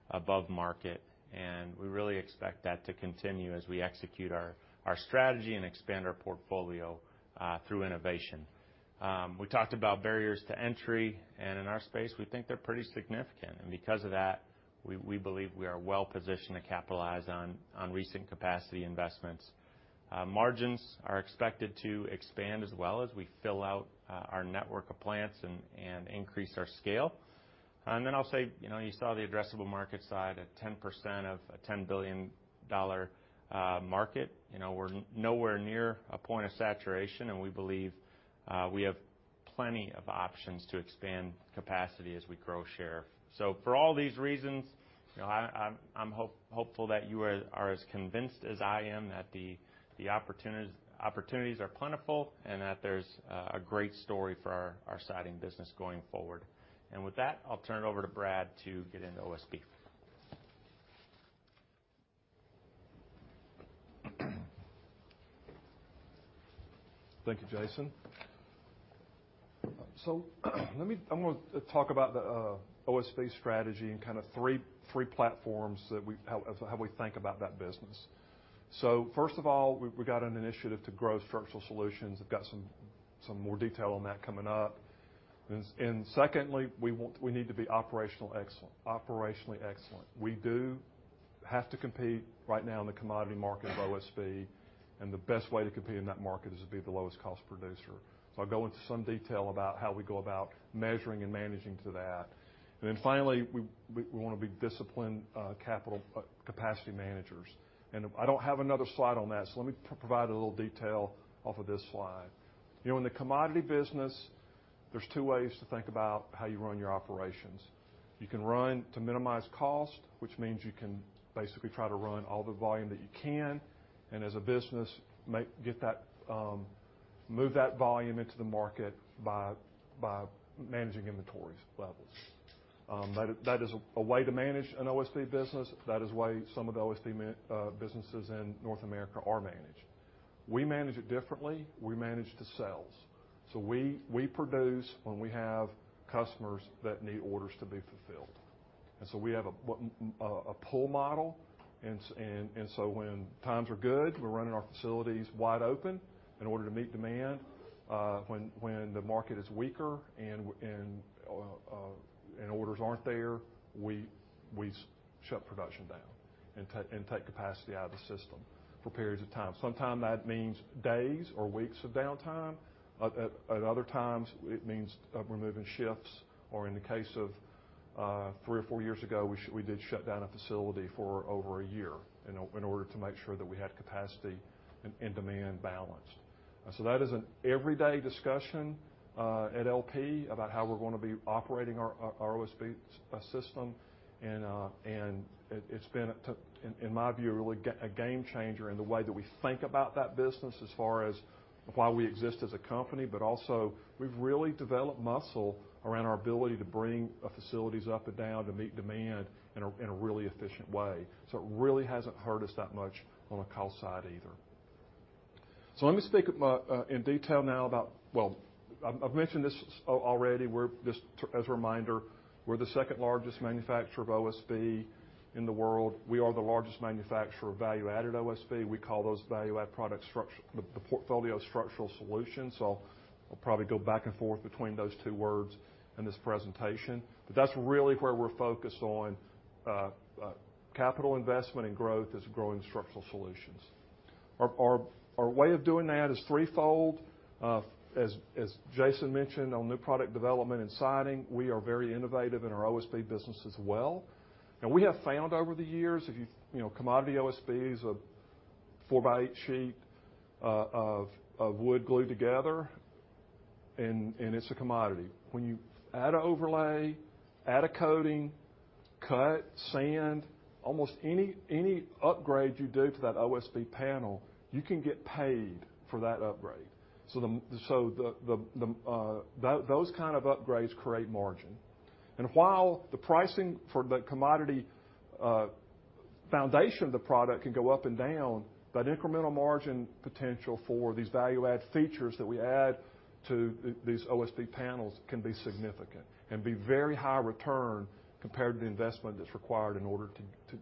S3: above market, and we really expect that to continue as we execute our strategy and expand our portfolio through innovation. We talked about barriers to entry, and in our space, we think they're pretty significant. Because of that, we believe we are well-positioned to capitalize on recent capacity investments. Margins are expected to expand as well as we fill out our network of plants and increase our scale. Then I'll say, you know, you saw the addressable market side at 10% of a $10 billion market. You know, we're nowhere near a point of saturation, and we believe we have plenty of options to expand capacity as we grow share. So for all these reasons, you know, I'm hopeful that you are as convinced as I am that the opportunities are plentiful and that there's a great story for our siding business going forward. And with that, I'll turn it over to Brad to get into OSB.
S2: Thank you, Jason. So let me. I'm gonna talk about the OSB strategy and kind of three platforms that we, how we think about that business. So first of all, we got an initiative to grow Structural Solutions. I've got some more detail on that coming up. And secondly, we need to be operationally excellent. We do have to compete right now in the commodity market of OSB. And the best way to compete in that market is to be the lowest-cost producer. So I'll go into some detail about how we go about measuring and managing to that. And then finally, we wanna be disciplined capital capacity managers. And I don't have another slide on that, so let me provide a little detail off of this slide. You know, in the commodity business, there's two ways to think about how you run your operations. You can run to minimize cost, which means you can basically try to run all the volume that you can. And as a business, make get that, move that volume into the market by managing inventories levels. That is a way to manage an OSB business. That is why some of the OSB mills in North America are managed. We manage it differently. We manage to sales. So we produce when we have customers that need orders to be fulfilled. And so we have a pull model. And so when times are good, we're running our facilities wide open in order to meet demand. When the market is weaker and orders aren't there, we shut production down and take capacity out of the system for periods of time. Sometimes that means days or weeks of downtime. At other times, it means removing shifts. Or in the case of three or four years ago, we did shut down a facility for over a year in order to make sure that we had capacity and demand balanced. So that is an every day discussion at LP about how we're gonna be operating our OSB system. And it’s been, too, in my view, a really game changer in the way that we think about that business as far as why we exist as a company. But also, we’ve really developed muscle around our ability to bring facilities up and down to meet demand in a really efficient way. So it really hasn’t hurt us that much on the cost side either. So let me speak more in detail now about well, I’ve mentioned this so already. We’re just as a reminder, we’re the second-largest manufacturer of OSB in the world. We are the largest manufacturer of value-added OSB. We call those value-added products the portfolio Structural Solutions. So I’ll probably go back and forth between those two words in this presentation. But that's really where we're focused on, capital investment and growth in growing Structural Solutions. Our way of doing that is threefold. As Jason mentioned on new product development and siding, we are very innovative in our OSB business as well. And we have found over the years, you know, commodity OSB is a 4x8 sheet of wood glued together. And it's a commodity. When you add an overlay, add a coating, cut, sand, almost any upgrade you do to that OSB panel, you can get paid for that upgrade. So those kind of upgrades create margin. And while the pricing for the commodity foundation of the product can go up and down, that incremental margin potential for these value-added features that we add to these OSB panels can be significant and be very high return compared to the investment that's required in order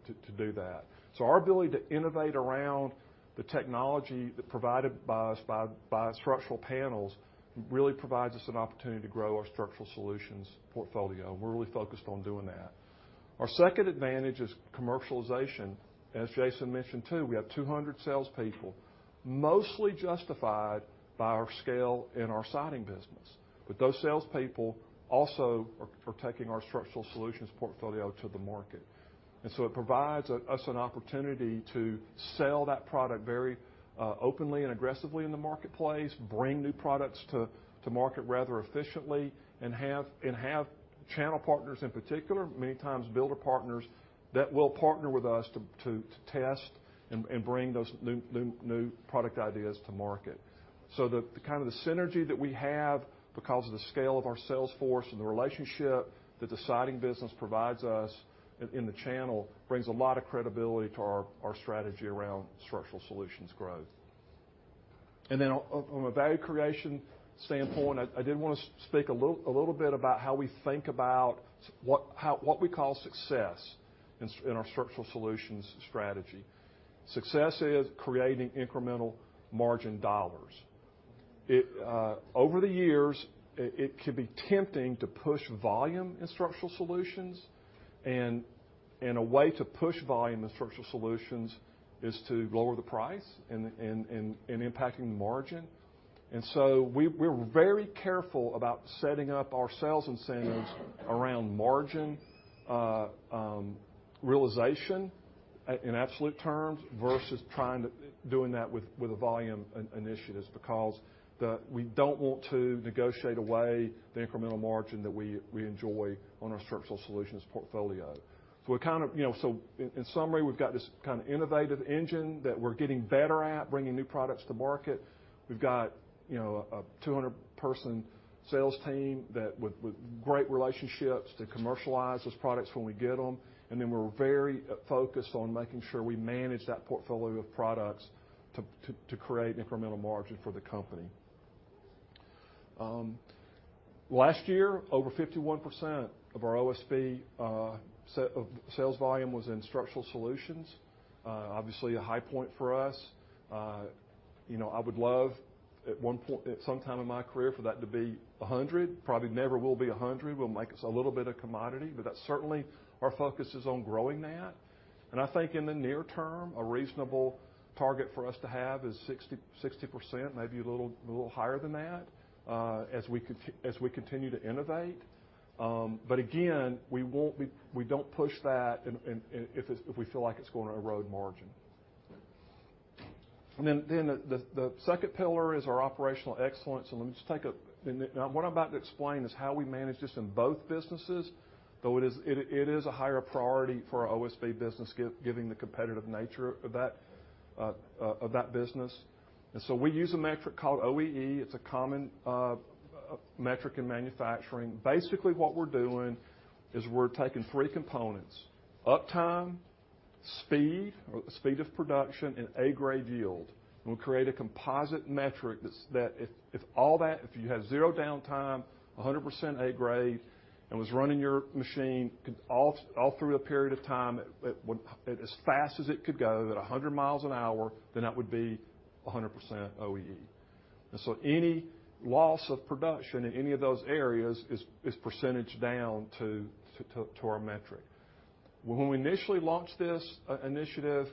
S2: to do that. So our ability to innovate around the technology provided by our structural panels really provides us an opportunity to grow our Structural Solutions portfolio. And we're really focused on doing that. Our second advantage is commercialization. As Jason mentioned too, we have 200 salespeople, mostly justified by our scale in our Siding business. But those salespeople also are taking our Structural Solutions portfolio to the market. And so it provides us an opportunity to sell that product very openly and aggressively in the marketplace, bring new products to market rather efficiently, and have channel partners in particular, many times builder partners, that will partner with us to test and bring those new product ideas to market. So the kind of synergy that we have because of the scale of our salesforce and the relationship that the siding business provides us in the channel brings a lot of credibility to our strategy around Structural Solutions growth. And then from a value creation standpoint, I did wanna speak a little bit about how we think about what we call success in our Structural Solutions strategy. Success is creating incremental margin dollars. Over the years, it can be tempting to push volume in Structural Solutions. And a way to push volume in Structural Solutions is to lower the price and impacting the margin. And so we're very careful about setting up our sales incentives around margin realization in absolute terms versus trying to do that with the volume initiatives because we don't want to negotiate away the incremental margin that we enjoy on our Structural Solutions portfolio. So, you know, in summary, we've got this kinda innovative engine that we're getting better at bringing new products to market. We've got, you know, a 200-person sales team that, with great relationships, to commercialize those products when we get them. We're very focused on making sure we manage that portfolio of products to create incremental margin for the company. Last year, over 51% of our OSB sales volume was in Structural Solutions. Obviously, a high point for us. You know, I would love at one point at some time in my career for that to be 100. Probably never will be 100. We'll make us a little bit of commodity. But that's certainly our focus is on growing that. And I think in the near term, a reasonable target for us to have is 60%, maybe a little higher than that, as we continue to innovate. But again, we won't push that in if we feel like it's gonna erode margin. Then the second pillar is our operational excellence. And let me just, and now what I'm about to explain is how we manage this in both businesses, though it is a higher priority for our OSB business given the competitive nature of that business. And so we use a metric called OEE. It's a common metric in manufacturing. Basically, what we're doing is we're taking three components: uptime, speed or speed of production, and A-grade yield. And we create a composite metric that's if you have zero downtime, 100% A-grade, and your machine running all through a period of time, it would as fast as it could go at 100 mi an hour, then that would be 100% OEE. And so any loss of production in any of those areas is percentage down to our metric. When we initially launched this initiative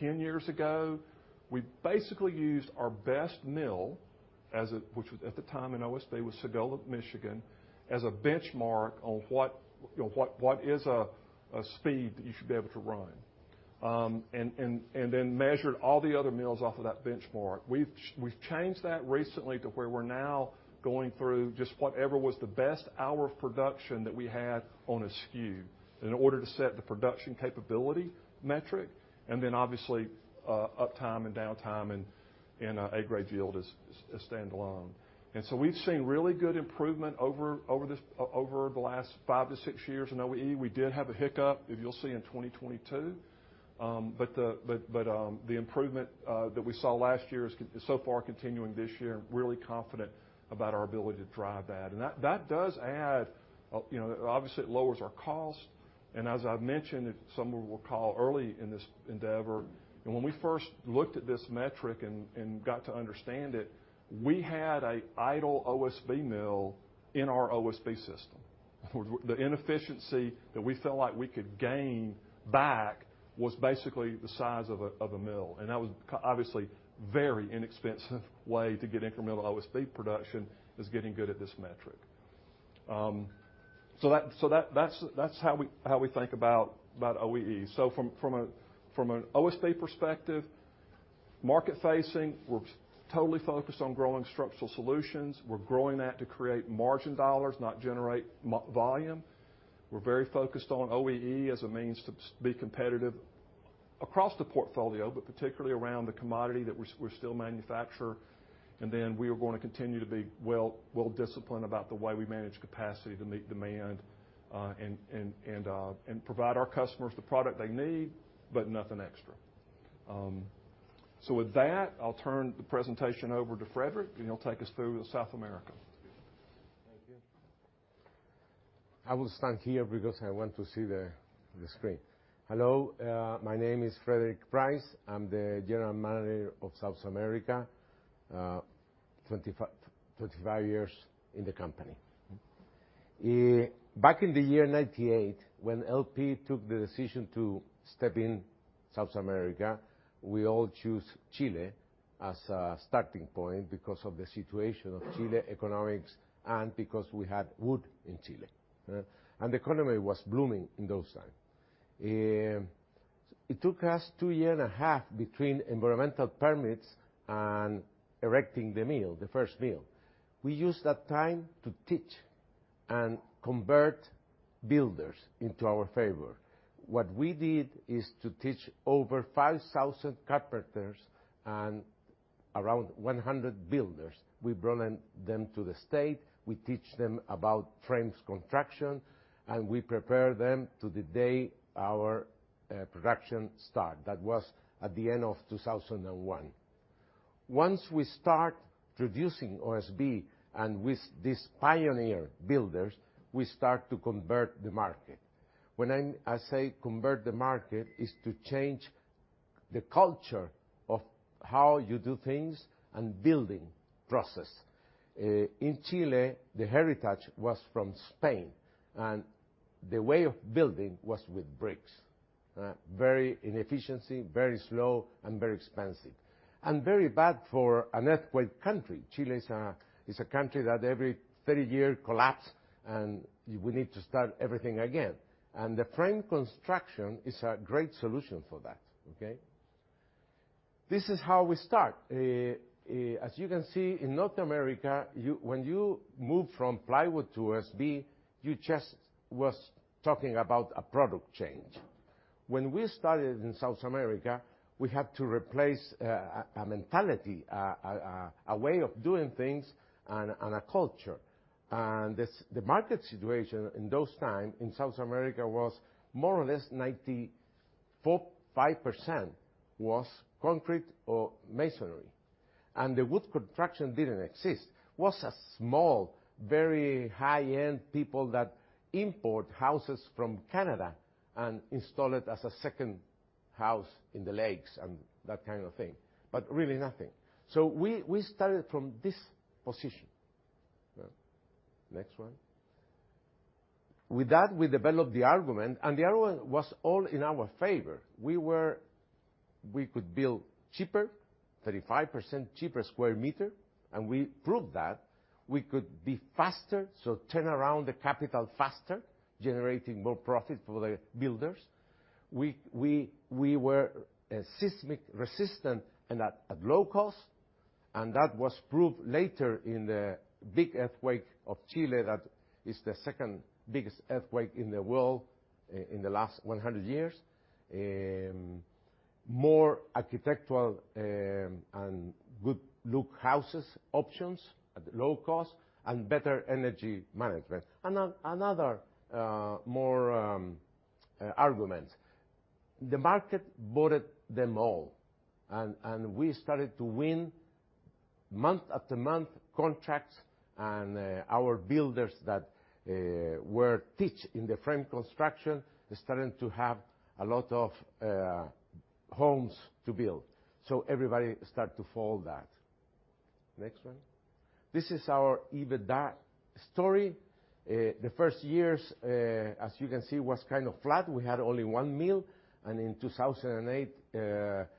S2: 10 years ago, we basically used our best mill as a benchmark, which was at the time in OSB Sagola, Michigan, on what, you know, what is a speed that you should be able to run, and then measured all the other mills off of that benchmark. We've changed that recently to where we're now going through just whatever was the best hour of production that we had on a SKU in order to set the production capability metric. And then obviously, uptime and downtime and A-grade yield is standalone. And so we've seen really good improvement over the last 5 years-6 years in OEE. We did have a hiccup, if you'll see, in 2022. But the improvement that we saw last year is continuing so far this year. I'm really confident about our ability to drive that. And that does add, you know, obviously, it lowers our cost. And as I've mentioned, it's somewhat early in this endeavor. And when we first looked at this metric and got to understand it, we had an idle OSB mill in our OSB system. The inefficiency that we felt like we could gain back was basically the size of a mill. And that was, obviously, a very inexpensive way to get incremental OSB production: getting good at this metric. So that's how we think about OEE. So from an OSB perspective, market-facing, we're totally focused on growing structural solutions. We're growing that to create margin dollars, not generate more volume. We're very focused on OEE as a means to be competitive across the portfolio, but particularly around the commodity that we're still manufacturing. And then we are gonna continue to be well disciplined about the way we manage capacity to meet demand, and provide our customers the product they need, but nothing extra. So with that, I'll turn the presentation over to Frederick, and he'll take us through South America.
S5: Thank you. I will stand here because I want to see the screen. Hello. My name is Frederick Price. I'm the general manager of South America, 25 years in the company. Back in the year 1998, when LP took the decision to step in South America, we all chose Chile as a starting point because of the situation of Chile economics and because we had wood in Chile, huh? And the economy was blooming in those times. It took us two year and a half between environmental permits and erecting the mill, the first mill. We used that time to teach and convert builders into our favor. What we did is to teach over 5,000 carpenters and around 100 builders. We brought them to the States. We teach them about frame construction, and we prepare them to the day our production start. That was at the end of 2001. Once we start producing OSB and with these pioneer builders, we start to convert the market. When I say convert the market is to change the culture of how you do things and building process. In Chile, the heritage was from Spain. And the way of building was with bricks, huh? Very inefficient, very slow, and very expensive. And very bad for an earthquake country. Chile is a country that every 30 years collapses, and we need to start everything again. And the frame construction is a great solution for that, okay? This is how we start. As you can see, in North America, you when you move from plywood to OSB, you just was talking about a product change. When we started in South America, we had to replace a way of doing things, and a culture. The market situation in those times in South America was more or less 94.5% was concrete or masonry. The wood construction didn't exist. It was a small, very high-end people that import houses from Canada and install it as a second house in the lakes and that kind of thing, but really nothing. So we started from this position, huh? Next one. With that, we developed the argument. The argument was all in our favor. We could build cheaper, 35% cheaper square meter. We proved that. We could be faster, so turn around the capital faster, generating more profit for the builders. We were seismic resistant and at low cost. That was proved later in the big earthquake of Chile that is the second biggest earthquake in the world, in the last 100 years. more architectural, and good-looking houses options at low cost and better energy management. Another. More arguments. The market bought them all. And we started to win month-to-month contracts. And our builders that were teaching frame construction started to have a lot of homes to build. So everybody started to follow that. Next one. This is our idea story. The first years, as you can see, was kind of flat. We had only one mill. And in 2008,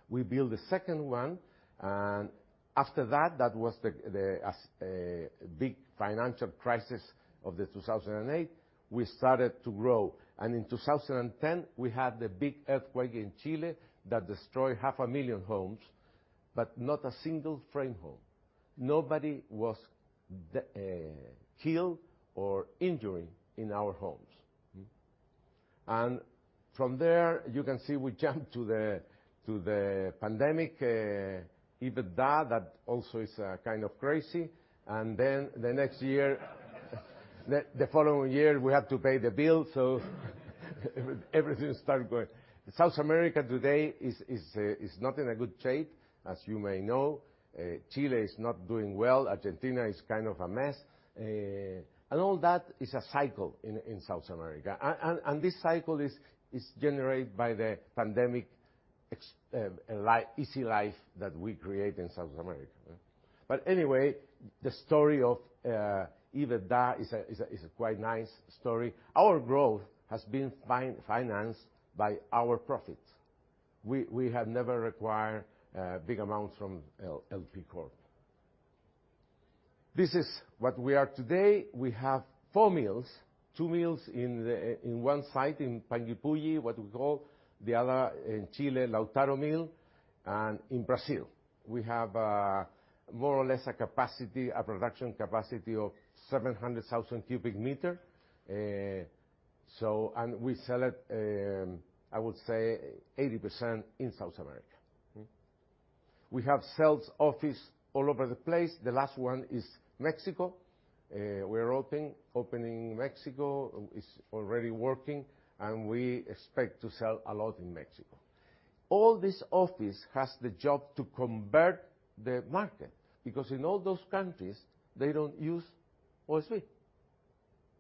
S5: we built a second one. And after that, that was the big financial crisis of 2008. We started to grow. And in 2010, we had the big earthquake in Chile that destroyed 500,000 homes, but not a single frame home. Nobody was killed or injured in our homes. From there, you can see we jumped to the pandemic, 2020 that also is a kind of crazy. Then the next year, the following year, we had to pay the bill, so everything start going. South America today is not in a good shape, as you may know. Chile is not doing well. Argentina is kind of a mess. And all that is a cycle in South America. And this cycle is generated by the pandemic, the easy life that we create in South America, huh? But anyway, the story of 2020 is a quite nice story. Our growth has been financed by our profits. We have never required big amounts from LP Corp. This is what we are today. We have four mills, two mills in one site in Panguipulli, what we call. The other, in Chile, Lautaro Mill. And in Brazil, we have, more or less, a production capacity of 700,000 cubic meters. So and we sell it, I would say, 80% in South America. We have sales office all over the place. The last one is Mexico. We are opening Mexico. It's already working. And we expect to sell a lot in Mexico. All this office has the job to convert the market because in all those countries, they don't use OSB.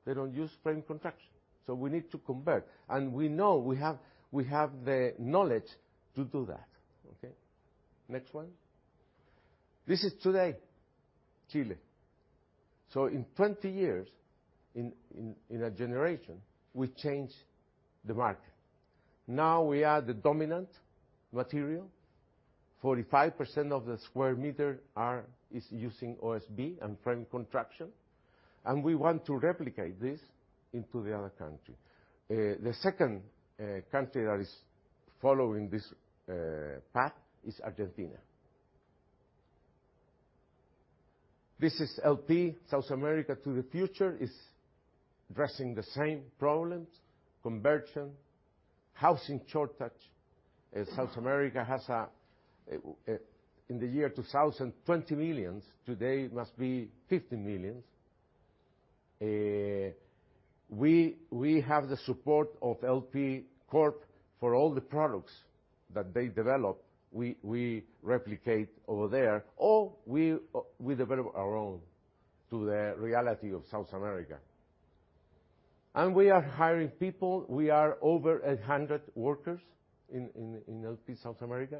S5: They don't use frame construction. So we need to convert. And we know we have the knowledge to do that, okay? Next one. This is today, Chile. So in 20 years, in a generation, we changed the market. Now we are the dominant material. 45% of the square meter area is using OSB and frame construction. And we want to replicate this into the other country. The second country that is following this path is Argentina. This is LP South America to the Future, is addressing the same problems: conversion, housing shortage. South America has in the year 2000, 20 million. Today must be 15 million. We have the support of LP Corp for all the products that they develop. We replicate over there, or we develop our own to the reality of South America. And we are hiring people. We are over 800 workers in LP South America.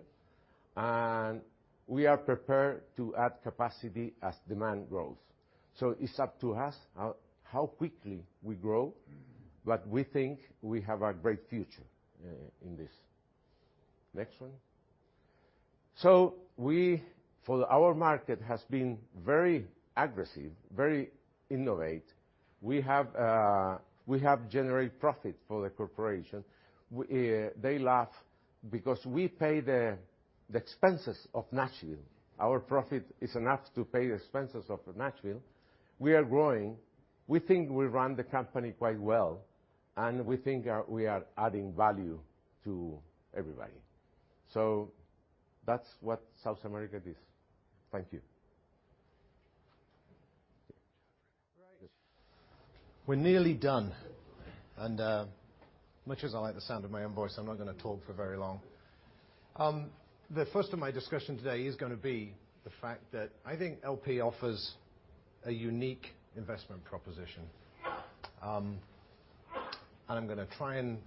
S5: And we are prepared to add capacity as demand grows. So it's up to us how quickly we grow. But we think we have a great future in this. Next one. So we for our market has been very aggressive, very innovative. We have generated profit for the corporation. We, they laugh because we pay the expenses of Nashville. Our profit is enough to pay the expenses of Nashville. We are growing. We think we run the company quite well. And we think we are adding value to everybody. So that's what South America is. Thank you.
S6: Right. We're nearly done. And, much as I like the sound of my own voice, I'm not gonna talk for very long. The first of my discussion today is gonna be the fact that I think LP offers a unique investment proposition. And I'm gonna try and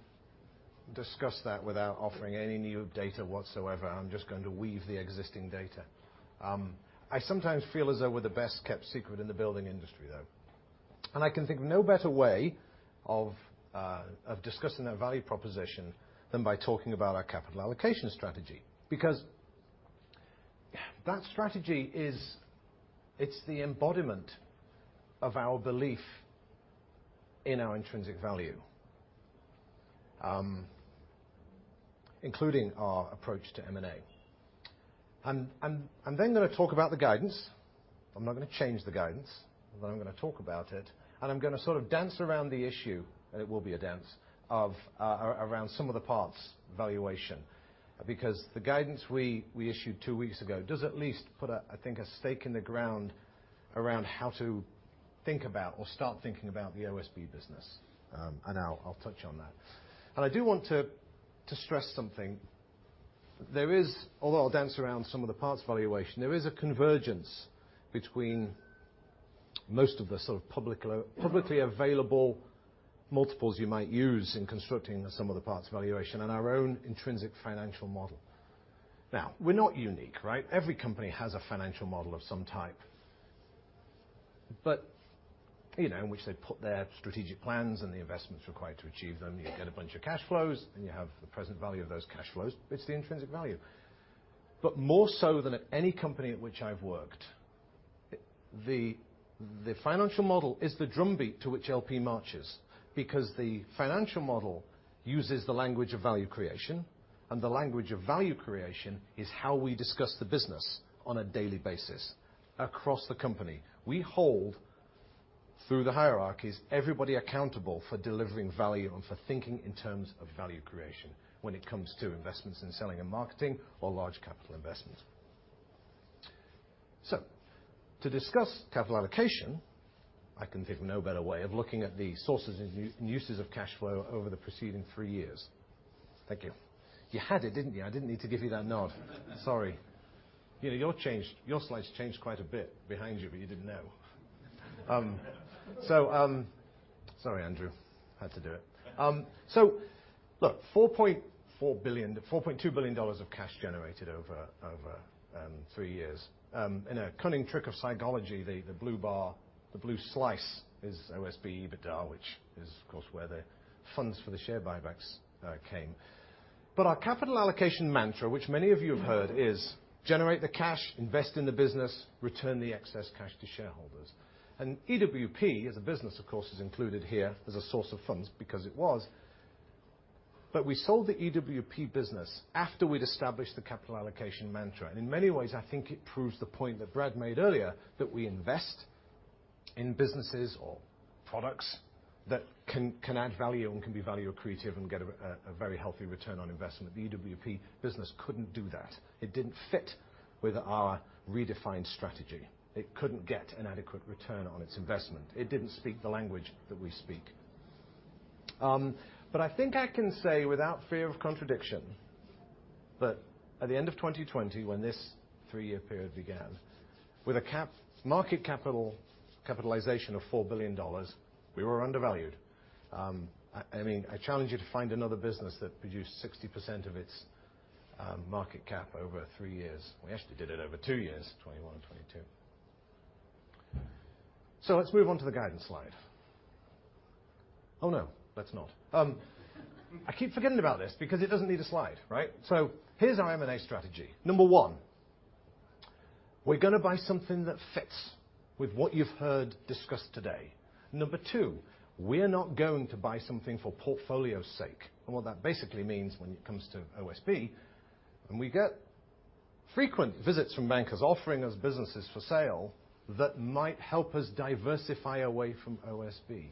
S6: discuss that without offering any new data whatsoever. I'm just going to weave the existing data. I sometimes feel as though we're the best-kept secret in the building industry, though. I can think of no better way of discussing that value proposition than by talking about our capital allocation strategy because that strategy is it's the embodiment of our belief in our intrinsic value, including our approach to M&A. I'm then gonna talk about the guidance. I'm not gonna change the guidance, but I'm gonna talk about it. And I'm gonna sort of dance around the issue - and it will be a dance - of around some of the parts, valuation, because the guidance we issued 2 weeks ago does at least put a I think a stake in the ground around how to think about or start thinking about the OSB business. And I'll touch on that. And I do want to stress something. There is, although I'll dance around some of the parts valuation, there is a convergence between most of the sort of publicly available multiples you might use in constructing some of the parts valuation and our own intrinsic financial model. Now, we're not unique, right? Every company has a financial model of some type, but, you know, in which they put their strategic plans and the investments required to achieve them. You get a bunch of cash flows, and you have the present value of those cash flows. It's the intrinsic value. But more so than at any company at which I've worked, it, the financial model is the drumbeat to which LP marches because the financial model uses the language of value creation. And the language of value creation is how we discuss the business on a daily basis across the company. We hold, through the hierarchies, everybody accountable for delivering value and for thinking in terms of value creation when it comes to investments in selling and marketing or large capital investments. To discuss capital allocation, I can think of no better way of looking at the sources and uses of cash flow over the preceding three years. Thank you. You had it, didn't you? I didn't need to give you that nod. Sorry. You know, your changed your slides changed quite a bit behind you, but you didn't know. Sorry. Andrew had to do it. Look, $4.4 billion $4.2 billion dollars of cash generated over three years. In a cunning trick of psychology, the blue bar, the blue slice is OSB EBITDA, which is, of course, where the funds for the share buybacks came. But our capital allocation mantra, which many of you have heard, is generate the cash, invest in the business, return the excess cash to shareholders. And EWP, as a business, of course, is included here as a source of funds because it was. But we sold the EWP business after we'd established the capital allocation mantra. And in many ways, I think it proves the point that Brad made earlier that we invest in businesses or products that can add value and can be value creative and get a very healthy return on investment. The EWP business couldn't do that. It didn't fit with our redefined strategy. It couldn't get an adequate return on its investment. It didn't speak the language that we speak. But I think I can say without fear of contradiction that at the end of 2020, when this three-year period began, with a market capitalization of $4 billion, we were undervalued. I mean, I challenge you to find another business that produced 60% of its market cap over three years. We actually did it over two years, 2021 and 2022. So let's move on to the guidance slide. Oh, no. Let's not. I keep forgetting about this because it doesn't need a slide, right? So here's our M&A strategy. Number one, we're gonna buy something that fits with what you've heard discussed today. Number two, we are not going to buy something for portfolio's sake. What that basically means when it comes to OSB, when we get frequent visits from bankers offering us businesses for sale that might help us diversify away from OSB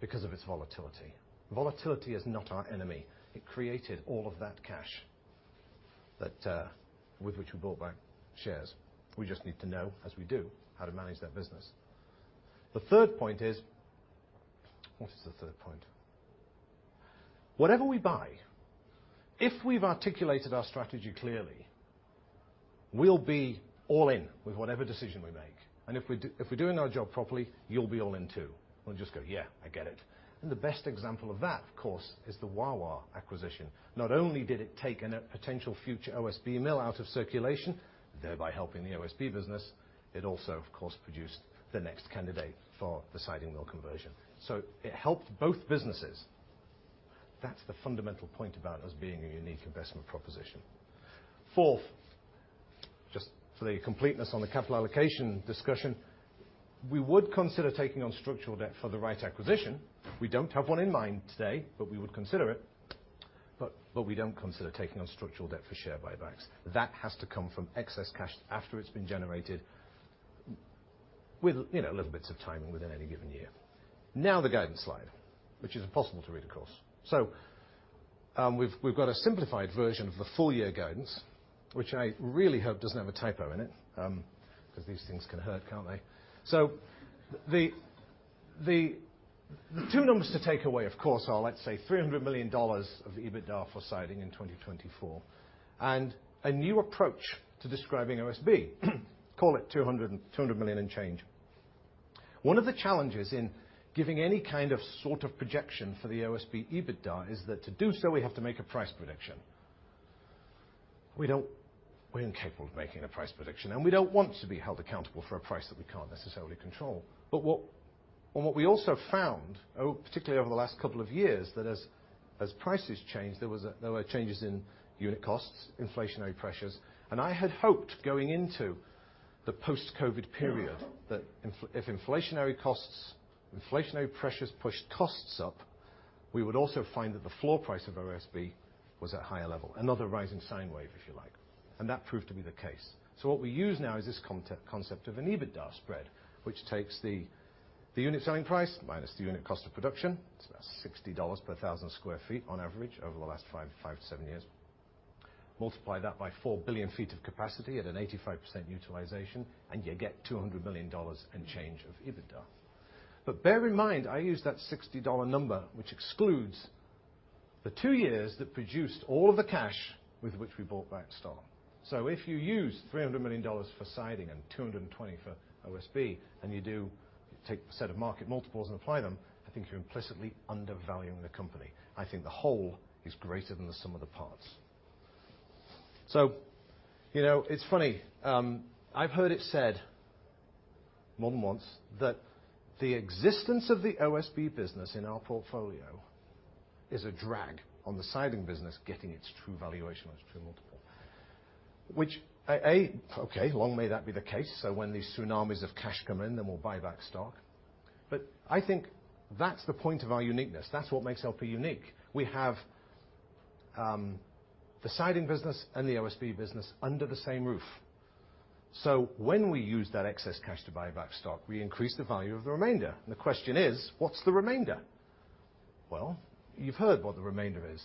S6: because of its volatility. Volatility is not our enemy. It created all of that cash that, with which we bought back shares. We just need to know, as we do, how to manage that business. The third point is what is the third point? Whatever we buy, if we've articulated our strategy clearly, we'll be all in with whatever decision we make. And if we do if we're doing our job properly, you'll be all in too. We'll just go, "Yeah. I get it." And the best example of that, of course, is the Wawa acquisition. Not only did it take a potential future OSB mill out of circulation, thereby helping the OSB business, it also, of course, produced the next candidate for the siding mill conversion. So it helped both businesses. That's the fundamental point about us being a unique investment proposition. Fourth, just for the completeness on the capital allocation discussion, we would consider taking on structural debt for the right acquisition. We don't have one in mind today, but we would consider it. But we don't consider taking on structural debt for share buybacks. That has to come from excess cash after it's been generated with, you know, little bits of timing within any given year. Now, the guidance slide, which is impossible to read, of course. So, we've got a simplified version of the full-year guidance, which I really hope doesn't have a typo in it, 'cause these things can hurt, can't they? So the two numbers to take away, of course, are, let's say, $300 million of EBITDA for siding in 2024 and a new approach to describing OSB. Call it $200 million and change. One of the challenges in giving any kind of sort of projection for the OSB EBITDA is that to do so, we have to make a price prediction. We're incapable of making a price prediction. And we don't want to be held accountable for a price that we can't necessarily control. But what we also found, particularly over the last couple of years, that as prices changed, there were changes in unit costs, inflationary pressures. I had hoped going into the post-COVID period that if inflationary costs and inflationary pressures pushed costs up, we would also find that the floor price of OSB was at a higher level, another rising sine wave, if you like. And that proved to be the case. So what we use now is this concept of an EBITDA spread, which takes the unit selling price minus the unit cost of production. It's about $60 per 1,000 sq ft on average over the last 5 years-7 years. Multiply that by 4 billion sq ft of capacity at an 85% utilization, and you get $200 million and change of EBITDA. But bear in mind, I use that $60 number, which excludes the 2 years that produced all of the cash with which we bought back stock. So if you use $300 million for siding and $220 million for OSB, and you do take a set of market multiples and apply them, I think you're implicitly undervaluing the company. I think the whole is greater than the sum of the parts. So, you know, it's funny. I've heard it said more than once that the existence of the OSB business in our portfolio is a drag on the siding business getting its true valuation on its true multiple, which I okay. Long may that be the case. So when these tsunamis of cash come in, then we'll buy back stock. But I think that's the point of our uniqueness. That's what makes LP unique. We have, the siding business and the OSB business under the same roof. So when we use that excess cash to buy back stock, we increase the value of the remainder. The question is, what's the remainder? Well, you've heard what the remainder is.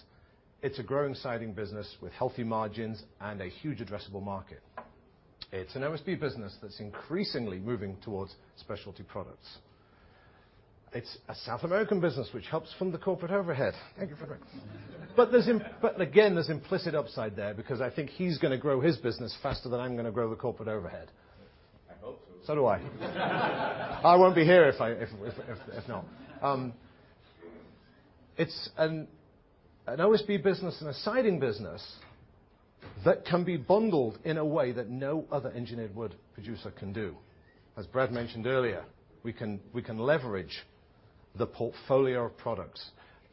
S6: It's a growing siding business with healthy margins and a huge addressable market. It's an OSB business that's increasingly moving towards specialty products. It's a South American business which helps fund the corporate overhead. Thank you, Frederick. But there's but again, there's implicit upside there because I think he's gonna grow his business faster than I'm gonna grow the corporate overhead. I hope so. So do I. I won't be here if not. It's an OSB business and a siding business that can be bundled in a way that no other engineered wood producer can do. As Brad mentioned earlier, we can leverage the portfolio of products.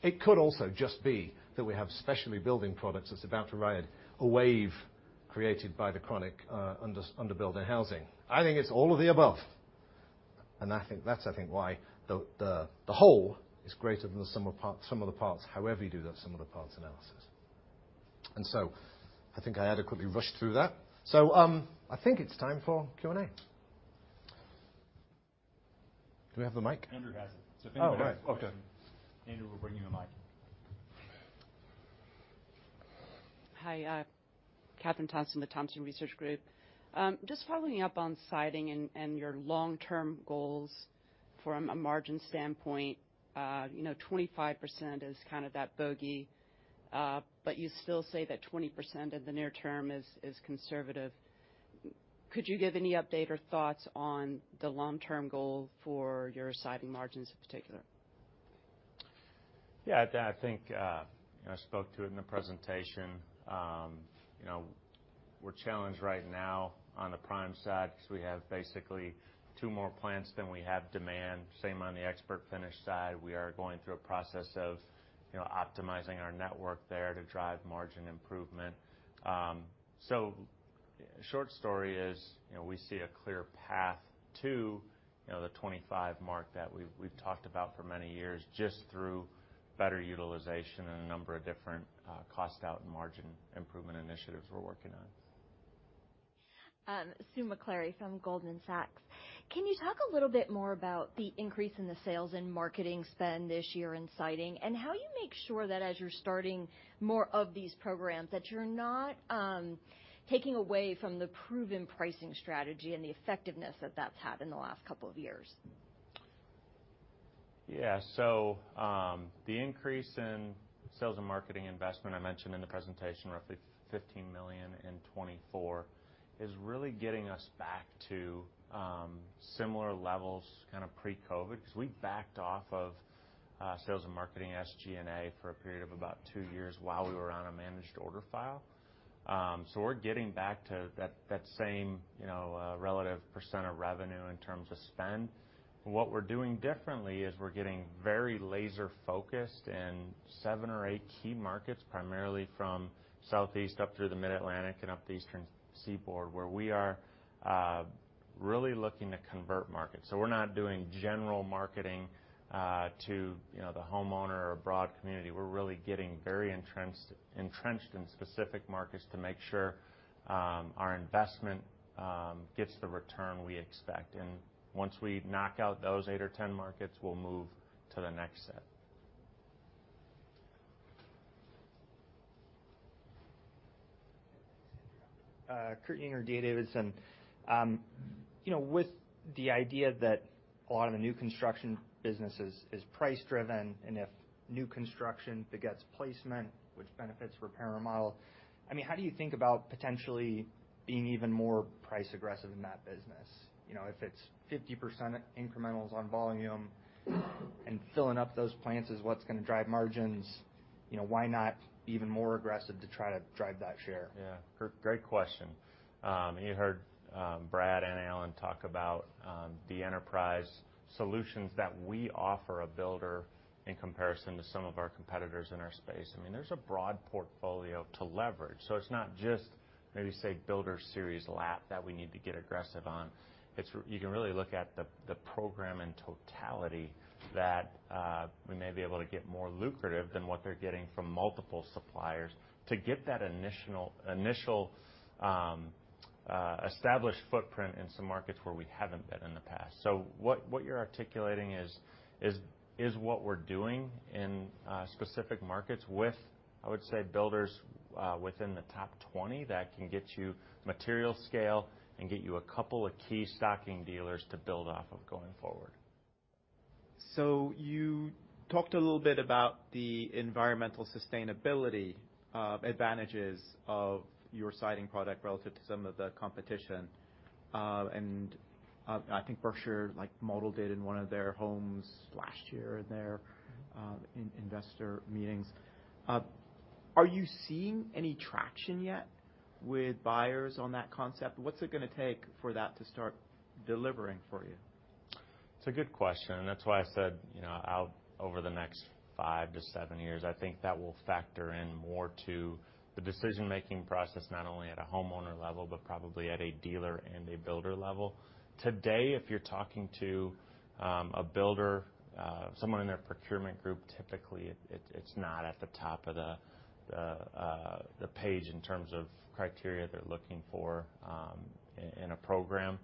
S6: It could also just be that we have specialty building products that's about to ride a wave created by the chronic underbuilding housing. I think it's all of the above. And I think that's why the whole is greater than the sum of parts, some of the parts, however you do that sum of the parts analysis. And so I think I adequately rushed through that. So, I think it's time for Q&A. Do we have the mic?
S2: Andrew has it. So if anybody has a question, Andrew, we'll bring you a mic.
S7: Hi. Kathryn Thompson with Thompson Research Group. Just following up on siding and your long-term goals from a margin standpoint, you know, 25% is kind of that bogey, but you still say that 20% in the near term is conservative. Could you give any update or thoughts on the long-term goal for your siding margins in particular?
S3: Yeah. That I think, you know, I spoke to it in the presentation. You know, we're challenged right now on the primed side 'cause we have basically two more plants than we have demand. Same on the ExpertFinish side. We are going through a process of, you know, optimizing our network there to drive margin improvement. So short story is, you know, we see a clear path to, you know, the 25 mark that we've, we've talked about for many years just through better utilization and a number of different, cost-out and margin improvement initiatives we're working on.
S8: Susan McClary from Goldman Sachs. Can you talk a little bit more about the increase in the sales and marketing spend this year in siding and how you make sure that as you're starting more of these programs, that you're not taking away from the proven pricing strategy and the effectiveness that that's had in the last couple of years?
S3: Yeah. So, the increase in sales and marketing investment I mentioned in the presentation, roughly $15 million in 2024, is really getting us back to similar levels kind of pre-COVID 'cause we backed off of sales and marketing SG&A for a period of about two years while we were on a managed order file. So we're getting back to that, that same, you know, relative percent of revenue in terms of spend. What we're doing differently is we're getting very laser-focused in seven or eight key markets, primarily from southeast up through the Mid-Atlantic and up the eastern seaboard, where we are really looking to convert markets. So we're not doing general marketing to, you know, the homeowner or broad community. We're really getting very entrenched, entrenched in specific markets to make sure our investment gets the return we expect. And once we knock out those 8 or 10 markets, we'll move to the next set.
S9: Kurt Yinger, D.A. Davidson. You know, with the idea that a lot of the new construction business is price-driven, and if new construction begets placement, which benefits repair and remodel, I mean, how do you think about potentially being even more price-aggressive in that business? You know, if it's 50% incrementals on volume and filling up those plants is what's gonna drive margins, you know, why not even more aggressive to try to drive that share?
S3: Yeah. Great, great question. You heard, Brad and Alan talk about, the enterprise solutions that we offer a builder in comparison to some of our competitors in our space. I mean, there's a broad portfolio to leverage. So it's not just, maybe say, BuilderSeries lap that we need to get aggressive on. It's you can really look at the, the program in totality that, we may be able to get more lucrative than what they're getting from multiple suppliers to get that initial, initial, established footprint in some markets where we haven't been in the past. So what you're articulating is what we're doing in specific markets with, I would say, builders within the top 20 that can get you material scale and get you a couple of key stocking dealers to build off of going forward.
S9: So you talked a little bit about the environmental sustainability advantages of your siding product relative to some of the competition. And I think Berkshire, like, modeled it in one of their homes last year in their investor meetings. Are you seeing any traction yet with buyers on that concept? What's it gonna take for that to start delivering for you?
S3: It's a good question. And that's why I said, you know, out over the next five to seven years, I think that will factor in more to the decision-making process not only at a homeowner level but probably at a dealer and a builder level. Today, if you're talking to a builder, someone in their procurement group, typically, it's not at the top of the page in terms of criteria they're looking for in a program.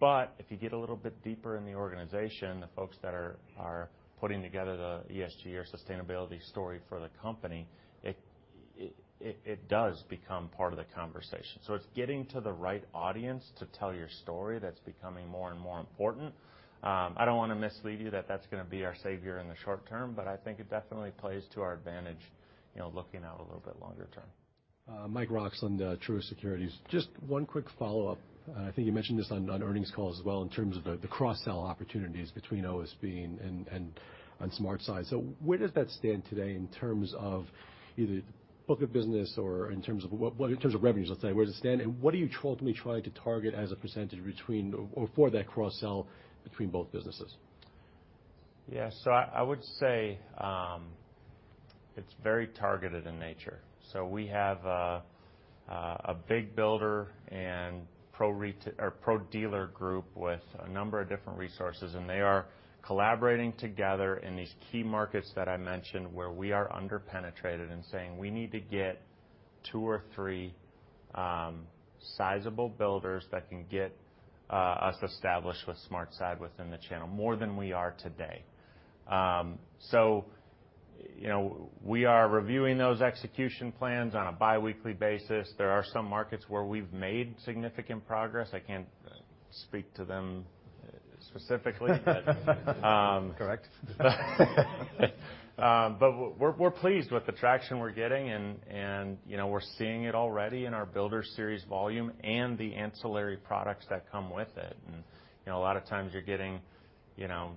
S3: But if you get a little bit deeper in the organization, the folks that are putting together the ESG or sustainability story for the company, it does become part of the conversation. So it's getting to the right audience to tell your story that's becoming more and more important. I don't wanna mislead you that that's gonna be our savior in the short term, but I think it definitely plays to our advantage, you know, looking out a little bit longer term.
S10: Mike Roxland, Truist Securities. Just one quick follow-up. I think you mentioned this on earnings calls as well in terms of the cross-sell opportunities between OSB and SmartSide. So where does that stand today in terms of either book of business or in terms of what, what in terms of revenues, let's say? Where does it stand? And what are you ultimately trying to target as a percentage between or, or for that cross-sell between both businesses?
S3: Yeah. So I, I would say, it's very targeted in nature. So we have a, a big builder and pro-retailer or pro-dealer group with a number of different resources. And they are collaborating together in these key markets that I mentioned where we are underpenetrated and saying, "We need to get two or three, sizable builders that can get, us established with SmartSide within the channel more than we are today." So, you know, we are reviewing those execution plans on a biweekly basis. There are some markets where we've made significant progress. I can't speak to them specifically, but, correct. But we're pleased with the traction we're getting. And, you know, we're seeing it already in our BuilderSeries volume and the ancillary products that come with it. And, you know, a lot of times, you're getting, you know,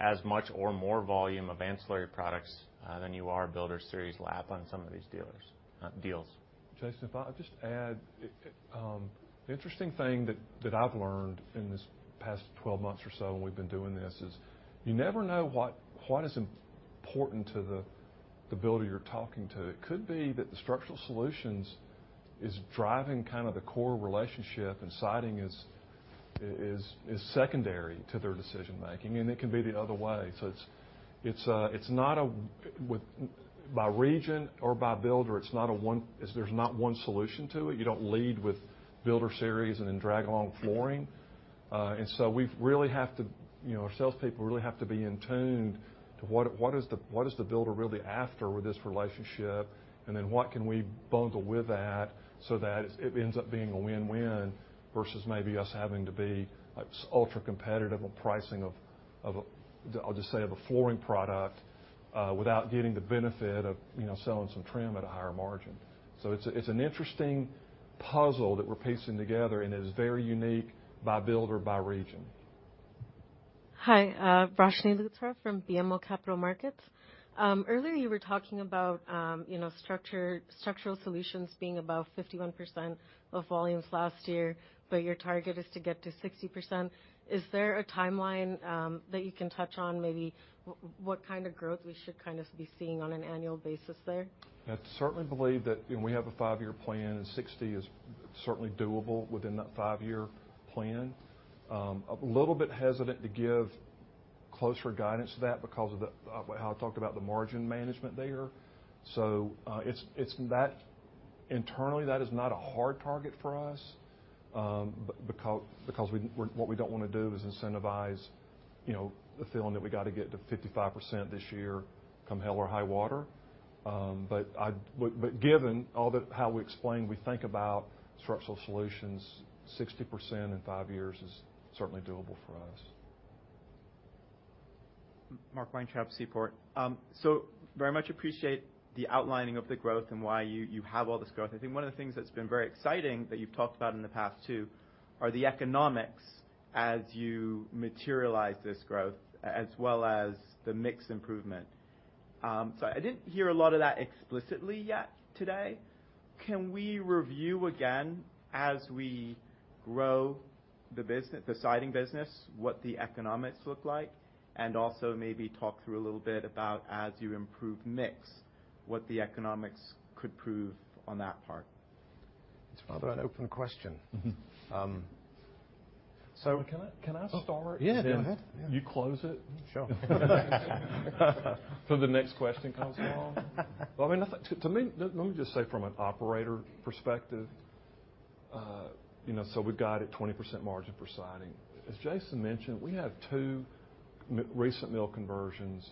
S3: as much or more volume of ancillary products than you are BuilderSeries lap on some of these dealers deals.
S2: Jason, if I just add it, the interesting thing that I've learned in this past 12 months or so when we've been doing this is you never know what is important to the builder you're talking to. It could be that the Structural Solutions is driving kind of the core relationship, and siding is secondary to their decision-making. And it can be the other way. So it's not a win-win by region or by builder. It's not a one-size-fits-all. There's not one solution to it. You don't lead with BuilderSeries and then drag along flooring. So we really have to, you know, our salespeople really have to be in tune to what is the builder really after with this relationship? And then what can we bundle with that so that it ends up being a win-win versus maybe us having to be, like, so ultra-competitive on pricing of a flooring product without getting the benefit of, you know, selling some trim at a higher margin. So it's an interesting puzzle that we're piecing together, and it is very unique by builder, by region.
S11: Hi. Roshni Luthra from BMO Capital Markets. Earlier, you were talking about, you know, Structural Solutions being about 51% of volumes last year, but your target is to get to 60%. Is there a timeline that you can touch on, maybe what kind of growth we should kind of be seeing on an annual basis there?
S2: I certainly believe that, you know, we have a five-year plan, and 60 is certainly doable within that five-year plan. A little bit hesitant to give closer guidance to that because of the, how I talked about the margin management there. So, it's, it's that internally, that is not a hard target for us, because we don't wanna do is incentivize, you know, the feeling that we gotta get to 55% this year, come hell or high water. But given all the how we explain, we think about Structural Solutions, 60% in five years is certainly doable for us.
S12: Mark Weintraub, Seaport. So very much appreciate the outlining of the growth and why you have all this growth. I think one of the things that's been very exciting that you've talked about in the past too are the economics as you materialize this growth as well as the mix improvement. So, I didn't hear a lot of that explicitly yet today. Can we review again as we grow the business the siding business, what the economics look like, and also maybe talk through a little bit about as you improve mix, what the economics could prove on that part?
S6: It's rather an open question.
S2: So can I start? Yeah. Go ahead. You close it.
S6: Sure.
S2: For the next question comes along. Well, I mean, nothing to me—let me just say from an operator perspective, you know, so we've got a 20% margin for siding. As Jason mentioned, we have two recent mill conversions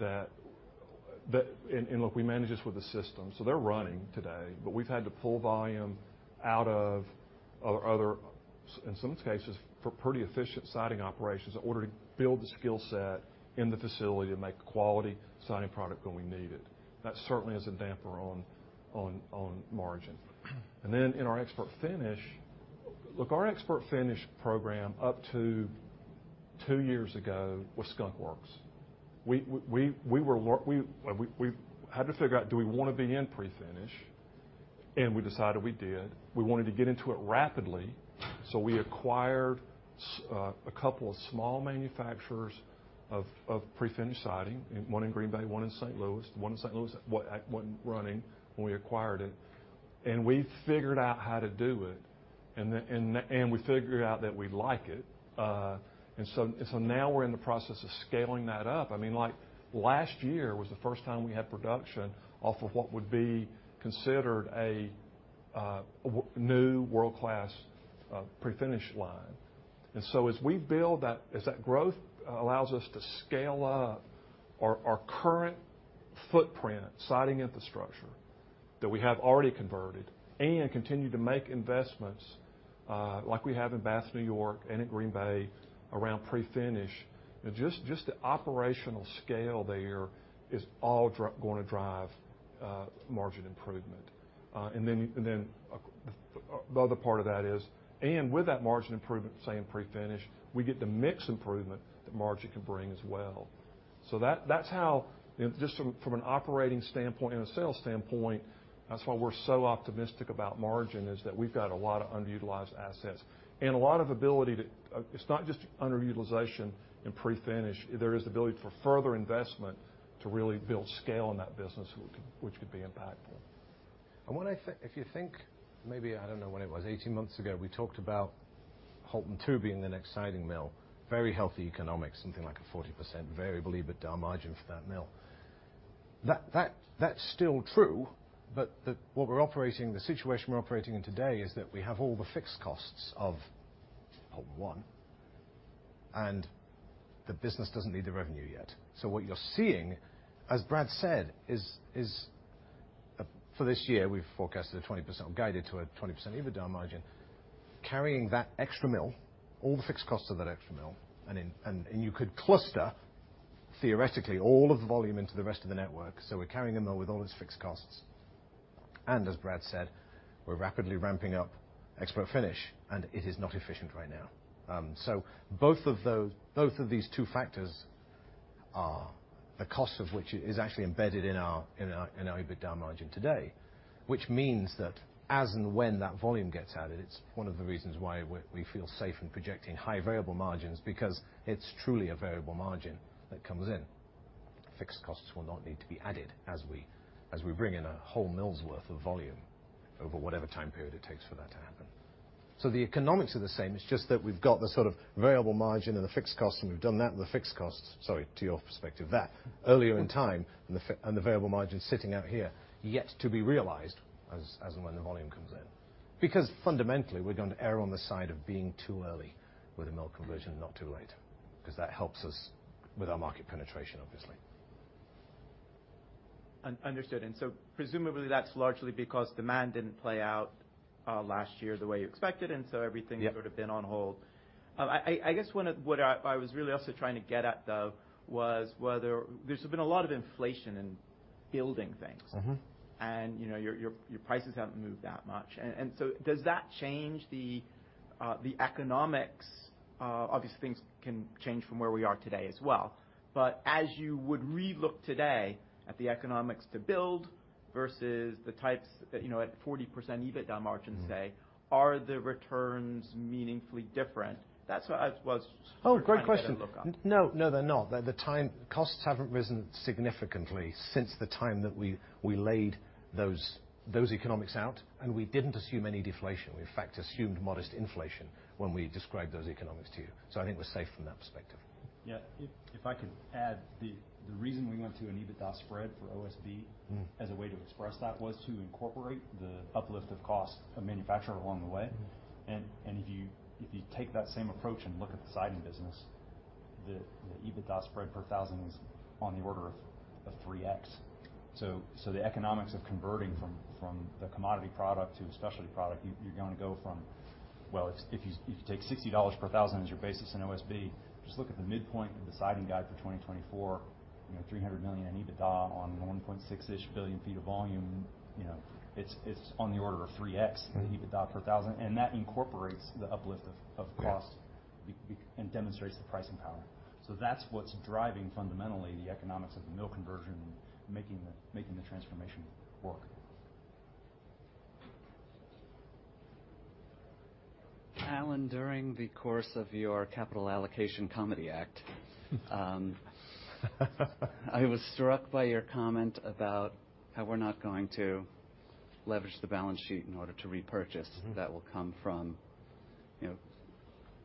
S2: that, and look, we manage this with the system. So they're running today, but we've had to pull volume out of other sites in some cases, for pretty efficient siding operations in order to build the skill set in the facility to make quality siding product when we need it. That certainly is a damper on margin. And then in our ExpertFinish, look, our ExpertFinish program up to two years ago was Skunk Works. We had to figure out, do we wanna be in pre-finish? And we decided we did. We wanted to get into it rapidly, so we acquired a couple of small manufacturers of pre-finish siding, and one in Green Bay, one in St. Louis. One in St. Louis we went running when we acquired it. And we figured out how to do it. And we figured out that we'd like it. And so now we're in the process of scaling that up. I mean, like, last year was the first time we had production off of what would be considered a new world-class, pre-finish line. And so as we build that, as that growth allows us to scale up our current footprint, siding infrastructure that we have already converted and continue to make investments, like we have in Bath, New York, and in Green Bay around pre-finish, you know, just the operational scale there is all gonna drive margin improvement. And then, and then the other part of that is, and with that margin improvement, say in pre-finish, we get the mix improvement that margin can bring as well. So that's how, you know, just from an operating standpoint and a sales standpoint, that's why we're so optimistic about margin is that we've got a lot of underutilized assets and a lot of ability to. It's not just underutilization in pre-finish. If there is ability for further investment to really build scale in that business, which could be impactful.
S6: And when I think if you think maybe I don't know when it was 18 months ago, we talked about Houlton 2 being the next siding mill, very healthy economics, something like a 40%, very believe it, margin for that mill. That, that's still true, but the situation we're operating in today is that we have all the fixed costs of Houlton 1, and the business doesn't need the revenue yet. So what you're seeing, as Brad said, is, for this year, we've forecasted a 20% or guided to a 20% EBITDA margin, carrying that extra mill, all the fixed costs of that extra mill, and you could theoretically cluster all of the volume into the rest of the network. So we're carrying a mill with all its fixed costs. And as Brad said, we're rapidly ramping up ExpertFinish, and it is not efficient right now. So both of these two factors, the cost of which is actually embedded in our EBITDA margin today, which means that as and when that volume gets added, it's one of the reasons why we feel safe in projecting high variable margins because it's truly a variable margin that comes in. Fixed costs will not need to be added as we bring in a whole mill's worth of volume over whatever time period it takes for that to happen. The economics are the same. It's just that we've got the sort of variable margin and the fixed costs, and we've done that with the fixed costs, sorry, to your perspective, that earlier in time and the fixed and the variable margin sitting out here yet to be realized as and when the volume comes in. Because fundamentally, we're going to err on the side of being too early with a mill conversion and not too late 'cause that helps us with our market penetration, obviously.
S12: Understood. And so presumably, that's largely because demand didn't play out last year the way you expected, and so everything has sort of been on hold. Yeah. I guess one of what I was really also trying to get at, though, was whether there's been a lot of inflation in building things. And, you know, your prices haven't moved that much. So does that change the economics? Obviously, things can change from where we are today as well. But as you would relook today at the economics to build versus the types that, you know, at 40% EBITDA margin, say, are the returns meaningfully different? That's what I was, so I had to look at.
S6: Oh, great question. No. No, they're not. The time costs haven't risen significantly since the time that we laid those economics out, and we didn't assume any deflation. We, in fact, assumed modest inflation when we described those economics to you. So I think we're safe from that perspective.
S1: Yeah. If I could add, the reason we went to an EBITDA spread for OSB, as a way to express that was to incorporate the uplift of cost of manufacturing along the way. And if you take that same approach and look at the siding business, the EBITDA spread per thousand is on the order of 3x. So the economics of converting from the commodity product to a specialty product, you're gonna go from well, if you take $60 per thousand as your basis in OSB, just look at the midpoint of the siding guide for 2024, you know, $300 million in EBITDA on 1.6-ish billion feet of volume. You know, it's on the order of 3x in the EBITDA per thousand. And that incorporates the uplift of cost. Right. Being and demonstrates the pricing power. So that's what's driving fundamentally the economics of the mill conversion and making the transformation work.
S13: Alan, during the course of your Capital Allocation Comedy Act, I was struck by your comment about how we're not going to leverage the balance sheet in order to repurchase. That will come from, you know,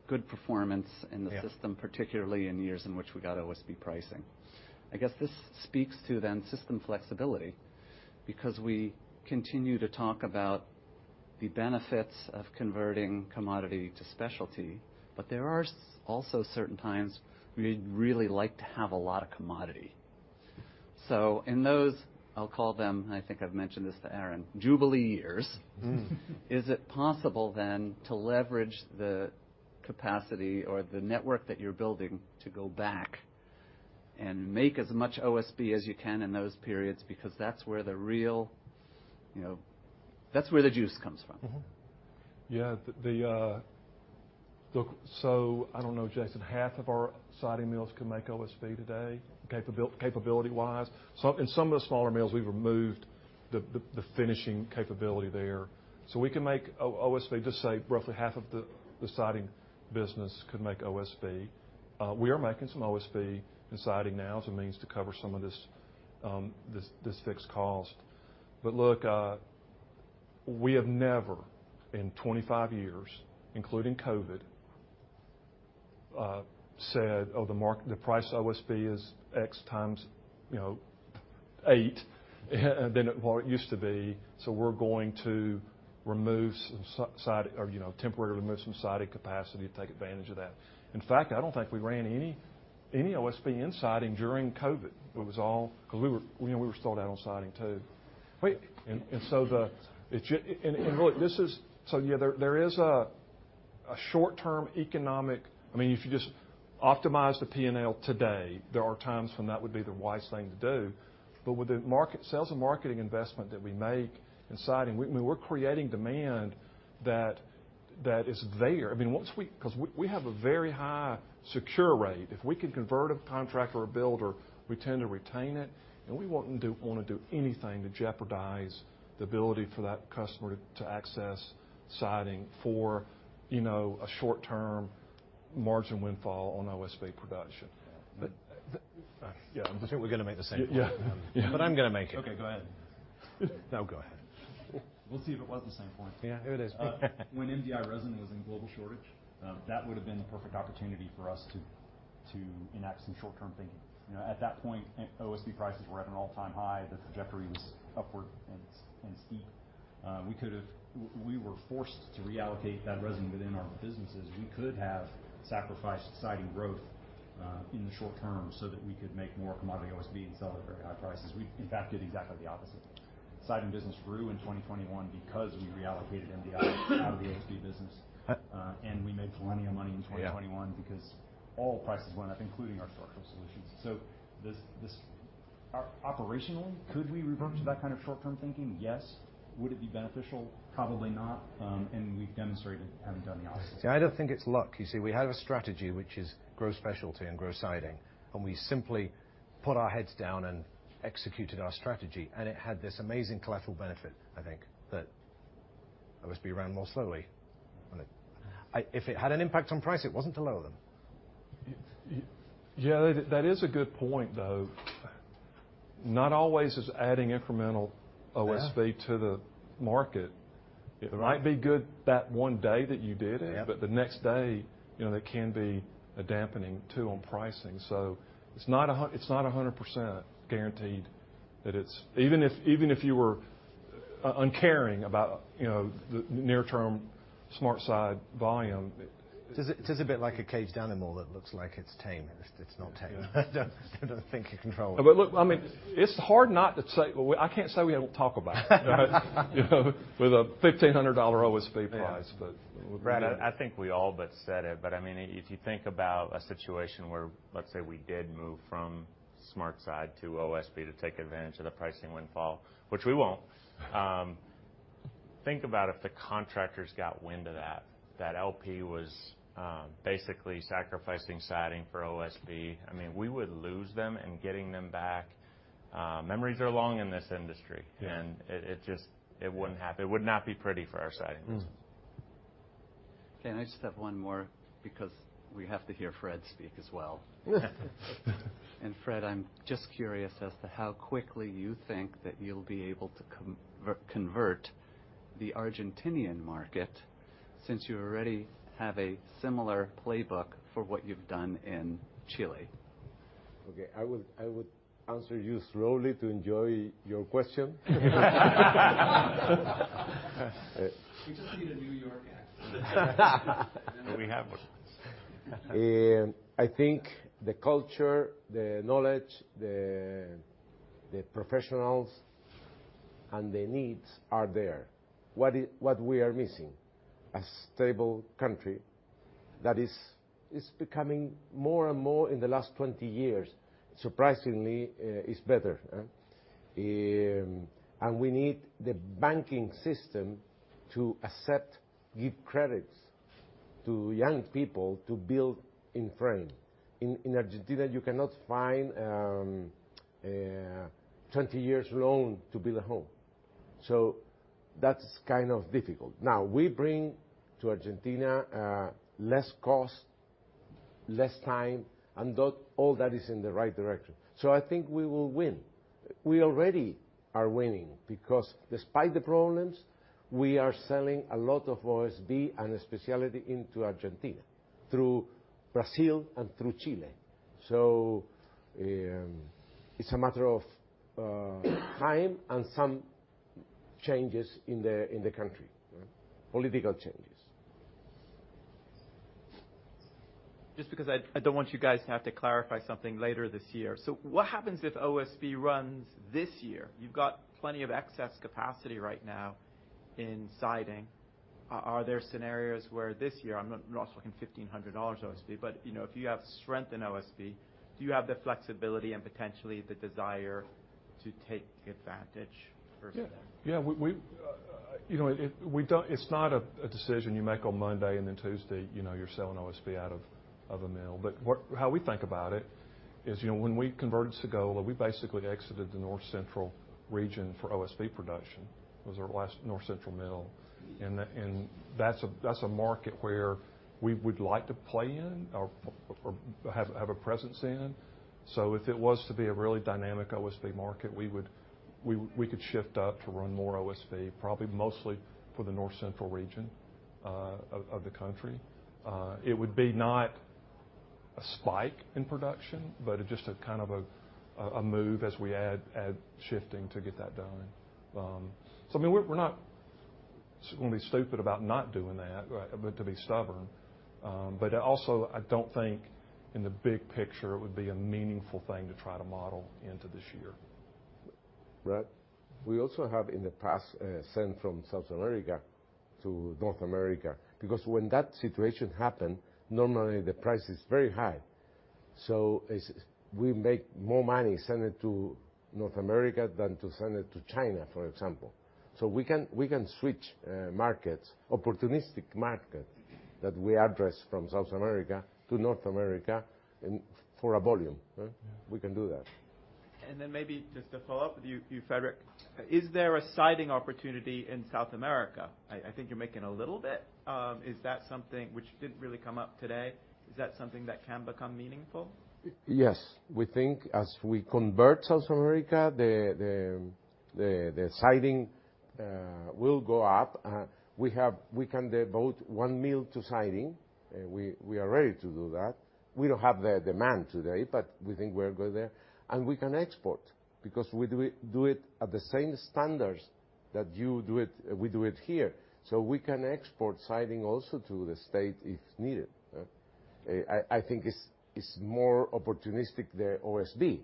S13: good performance in the system. Yeah. Particularly in years in which we got OSB pricing. I guess this speaks to, then, system flexibility because we continue to talk about the benefits of converting commodity to specialty, but there are also certain times we'd really like to have a lot of commodity. So in those I'll call them and I think I've mentioned this to Aaron Jubilee years. Is it possible, then, to leverage the capacity or the network that you're building to go back and make as much OSB as you can in those periods because that's where the real, you know, that's where the juice comes from.
S2: Yeah. Look, so I don't know, Jason. Half of our siding mills can make OSB today capability-wise. So in some of the smaller mills, we've removed the finishing capability there. So we can make OSB just, say, roughly half of the siding business could make OSB. We are making some OSB and siding now as a means to cover some of this fixed cost. But look, we have never in 25 years, including COVID, said, "Oh, the market price of OSB is X times, you know, 8," and then what it used to be. So we're going to remove some siding or, you know, temporarily remove some siding capacity to take advantage of that. In fact, I don't think we ran any OSB in siding during COVID. It was all 'cause we were, you know, we were sold out on siding too. Wait. And look, this is, so yeah, there is a short-term economic. I mean, if you just optimize the P&L today, there are times when that would be the wisest thing to do. But with the market sales and marketing investment that we make in siding, we, I mean, we're creating demand that is there. I mean, once we, 'cause we have a very high secure rate. If we can convert a contractor or a builder, we tend to retain it, and we won't wanna do anything to jeopardize the ability for that customer to access siding for, you know, a short-term margin windfall on OSB production. But yeah.
S6: I'm just thinking we're gonna make the same point. Yeah. Yeah. But I'm gonna make it. Okay.
S1: Go ahead.
S6: No, go ahead.
S1: We'll see if it wasn't the same point. Yeah. Here it is. When MDI resin was in global shortage, that would have been the perfect opportunity for us to enact some short-term thinking. You know, at that point, OSB prices were at an all-time high. The trajectory was upward and steep. We could have. We were forced to reallocate that resin within our businesses. We could have sacrificed siding growth in the short term so that we could make more commodity OSB and sell at very high prices. We, in fact, did exactly the opposite. Siding business grew in 2021 because we reallocated MDI out of the OSB business. And we made plenty of money in 2021. Yeah. Because all prices went up, including our Structural Solutions. So this operationally, could we revert to that kind of short-term thinking? Yes. Would it be beneficial? Probably not. And we've demonstrated having done the opposite.
S6: Yeah. I don't think it's luck. You see, we have a strategy which is grow specialty and grow siding, and we simply put our heads down and executed our strategy. And it had this amazing collateral benefit, I think, that OSB ran more slowly when it, if it had an impact on price, it wasn't to lower them.
S2: Yeah. That is a good point, though. Not always is adding incremental OSB to the market. Yeah. It might be good that one day that you did it. Yeah. But the next day, you know, that can be a dampening too on pricing. So it's not 100%—it's not 100% guaranteed that it's—even if you were uncaring about, you know, the near-term SmartSide volume, it, it does it, does it act like a caged animal that looks like it's tame, and it's,
S6: it's not tame. I don't think you control it.
S2: Oh, but look, I mean, it's hard not to say well, we—I can't say we don't talk about it, you know, with a $1,500 OSB price, but we're gonna-
S3: Brad, I, I think we all but said it. But I mean, if you think about a situation where, let's say, we did move from SmartSide to OSB to take advantage of the pricing windfall, which we won't, think about if the contractors got wind of that, that LP was basically sacrificing siding for OSB. I mean, we would lose them in getting them back. Memories are long in this industry. Yeah. It just wouldn't happen. It would not be pretty for our siding business.
S13: Okay. Next, one more, because we have to hear Fred speak as well. Fred, I'm just curious as to how quickly you think that you'll be able to convert the Argentine market since you already have a similar playbook for what you've done in Chile.
S5: Okay. I would answer you slowly to enjoy your question.
S13: We just need a New York accent. We have one.
S5: I think the culture, the knowledge, the professionals, and the needs are there. What we are missing? A stable country that is becoming more and more in the last 20 years, surprisingly, is better, huh? We need the banking system to accept, give credits to young people to build in frame. In Argentina, you cannot find a 20-year loan to build a home. So that's kind of difficult. Now, we bring to Argentina less cost, less time, and though all that is in the right direction. So I think we will win. We already are winning because despite the problems, we are selling a lot of OSB and specialty into Argentina through Brazil and through Chile. So it's a matter of time and some changes in the country, huh? Political changes.
S12: Just because I don't want you guys to have to clarify something later this year. So what happens if OSB runs this year? You've got plenty of excess capacity right now in siding. Are there scenarios where this year I'm not talking $1,500 OSB, but, you know, if you have strength in OSB, do you have the flexibility and potentially the desire to take advantage versus that?
S2: Yeah. Yeah. We, you know, we don't. It's not a decision you make on Monday, and then Tuesday, you know, you're selling OSB out of a mill. But how we think about it is, you know, when we converted to Sagola, we basically exited the North Central region for OSB production. It was our last North Central mill. And that's a market where we would like to play in or have a presence in. So if it was to be a really dynamic OSB market, we would, we could shift up to run more OSB, probably mostly for the North Central region of the country. It would be not a spike in production, but it just a kind of a move as we add shifting to get that done. So I mean, we're not gonna be stupid about not doing that, right, but to be stubborn. But I also don't think, in the big picture, it would be a meaningful thing to try to model into this year.
S5: Brad, we also have, in the past, sent from South America to North America because when that situation happen, normally, the price is very high. So it's we make more money sending to North America than to send it to China, for example. So we can switch markets, opportunistic markets that we address from South America to North America and for volume. Yeah. We can do that.
S12: And then maybe just to follow up with you, Frederick, is there a siding opportunity in South America? I think you're making a little bit. Is that something which didn't really come up today? Is that something that can become meaningful?
S5: Yes. We think as we convert South America, the siding will go up. We can devote one mill to siding. We are ready to do that. We don't have the demand today, but we think we're good there. And we can export because we do it at the same standards that we do it here. So we can export siding also to the States if needed. I think it's more opportunistic, the OSB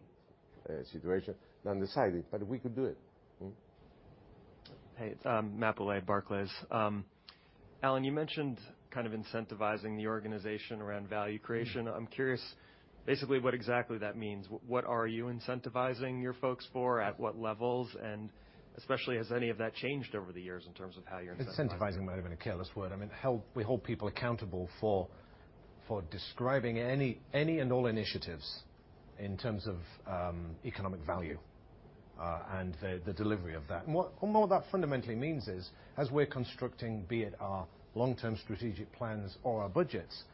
S5: situation than the siding, but we could do it.
S14: Hey. It's Matthew Bouley, Barclays. Alan, you mentioned kind of incentivizing the organization around value creation. I'm curious, basically, what exactly that means. What are you incentivizing your folks for, at what levels? And especially, has any of that changed over the years in terms of how you're incentivizing?
S6: Incentivizing might have been a careless word. I mean, we hold people accountable for describing any and all initiatives in terms of economic value, and the delivery of that. And what that fundamentally means is, as we're constructing, be it our long-term strategic plans or our budgets,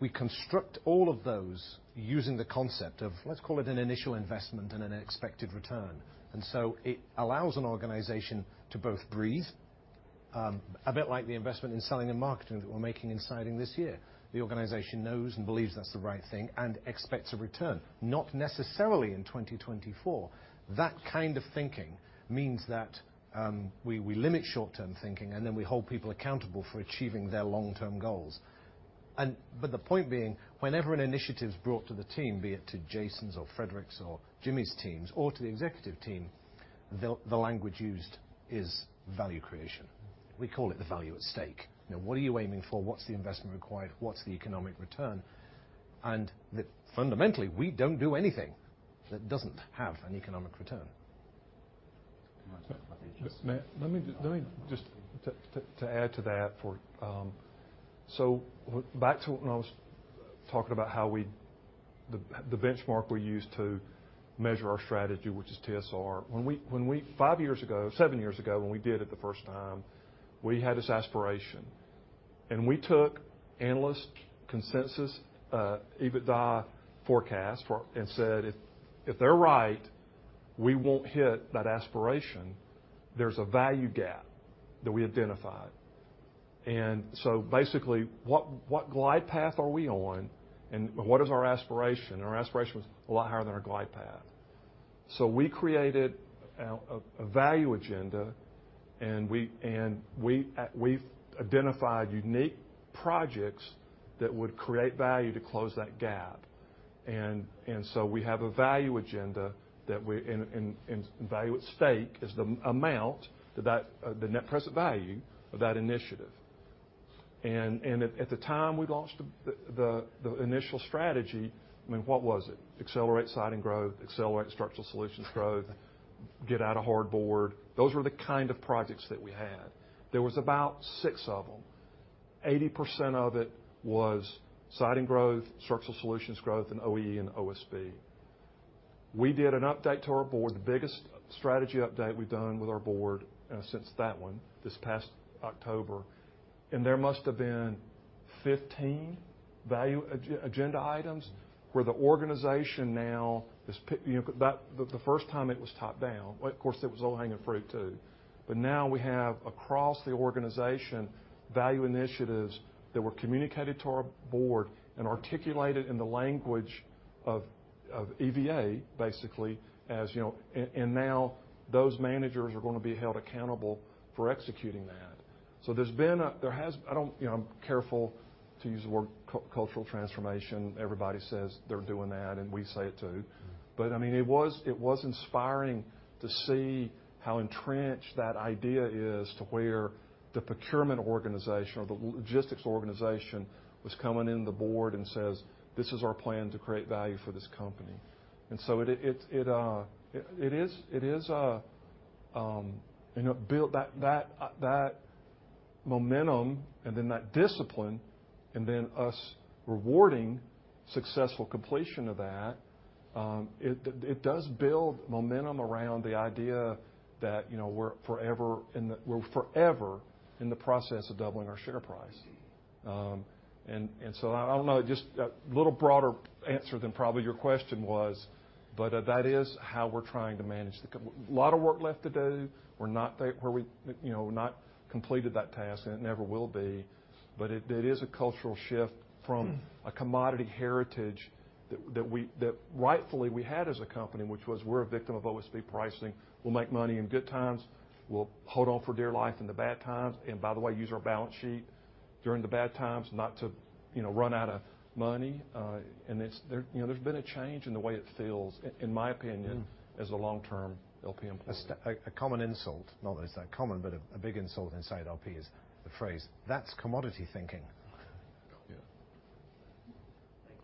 S6: we construct all of those using the concept of, let's call it, an initial investment and an expected return. And so it allows an organization to both breathe, a bit like the investment in selling and marketing that we're making in siding this year. The organization knows and believes that's the right thing and expects a return, not necessarily in 2024. That kind of thinking means that we limit short-term thinking, and then we hold people accountable for achieving their long-term goals. And but the point being, whenever an initiative's brought to the team, be it to Jason's or Frederick's or Jimmy's teams or to the executive team, the language used is value creation. We call it the value at stake. You know, what are you aiming for? What's the investment required? What's the economic return? And that, fundamentally, we don't do anything that doesn't have an economic return. Come on. That's not that interesting.
S2: Let me just to add to that, so back to when I was talking about how we, the benchmark we use to measure our strategy, which is TSR, when we, five years ago, seven years ago, when we did it the first time, we had this aspiration. And we took analyst consensus, EBITDA forecast for and said, "If they're right, we won't hit that aspiration. There's a value gap that we identified." And so basically, what glide path are we on, and what is our aspiration? And our aspiration was a lot higher than our glide path. So we created a value agenda, and we've identified unique projects that would create value to close that gap. So we have a value agenda, and value at stake is the amount, the net present value of that initiative. At the time we launched the initial strategy, I mean, what was it? Accelerate siding growth, accelerate structural solutions growth, get out of hardboard. Those were the kind of projects that we had. There was about 6 of them. 80% of it was siding growth, structural solutions growth, and OEE and OSB. We did an update to our board, the biggest strategy update we've done with our board, since that one, this past October. There must have been 15 value-agenda items where the organization now is, you know, that the first time, it was top-down. Well, of course, it was all low-hanging fruit too. But now we have, across the organization, value initiatives that were communicated to our board and articulated in the language of EVA, basically, as you know, and now those managers are gonna be held accountable for executing that. So there's been I don't, you know, I'm careful to use the word cultural transformation. Everybody says they're doing that, and we say it too. But I mean, it was inspiring to see how entrenched that idea is to where the procurement organization or the logistics organization was coming into the board and says, "This is our plan to create value for this company." And so it is a, you know, build that momentum and then that discipline and then us rewarding successful completion of that, it does build momentum around the idea that, you know, we're forever in the process of doubling our share price. And so I don't know. It's just a little broader answer than probably your question was, but that is how we're trying to manage the company. A lot of work left to do. We're not there where we, you know, not completed that task, and it never will be. But it is a cultural shift from a commodity heritage that we, rightfully, we had as a company, which was, "We're a victim of OSB pricing. We'll make money in good times. We'll hold on for dear life in the bad times. And by the way, use our balance sheet during the bad times, not to, you know, run out of money." And it's there, you know, there's been a change in the way it feels, in my opinion, as a long-term LP employee.
S6: A common insult, not that it's that common, but a big insult inside LP is the phrase, "That's commodity thinking." Yeah. Thank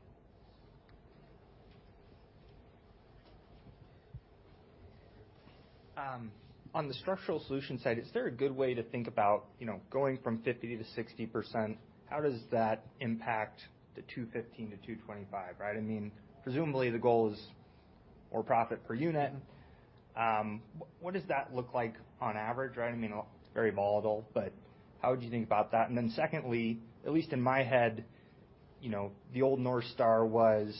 S6: you.
S9: On the structural solution side, is there a good way to think about, you know, going from 50%-60%? How does that impact the 215-225, right? I mean, presumably, the goal is more profit per unit. What does that look like on average, right? I mean, very volatile, but how would you think about that? And then secondly, at least in my head, you know, the old North Star was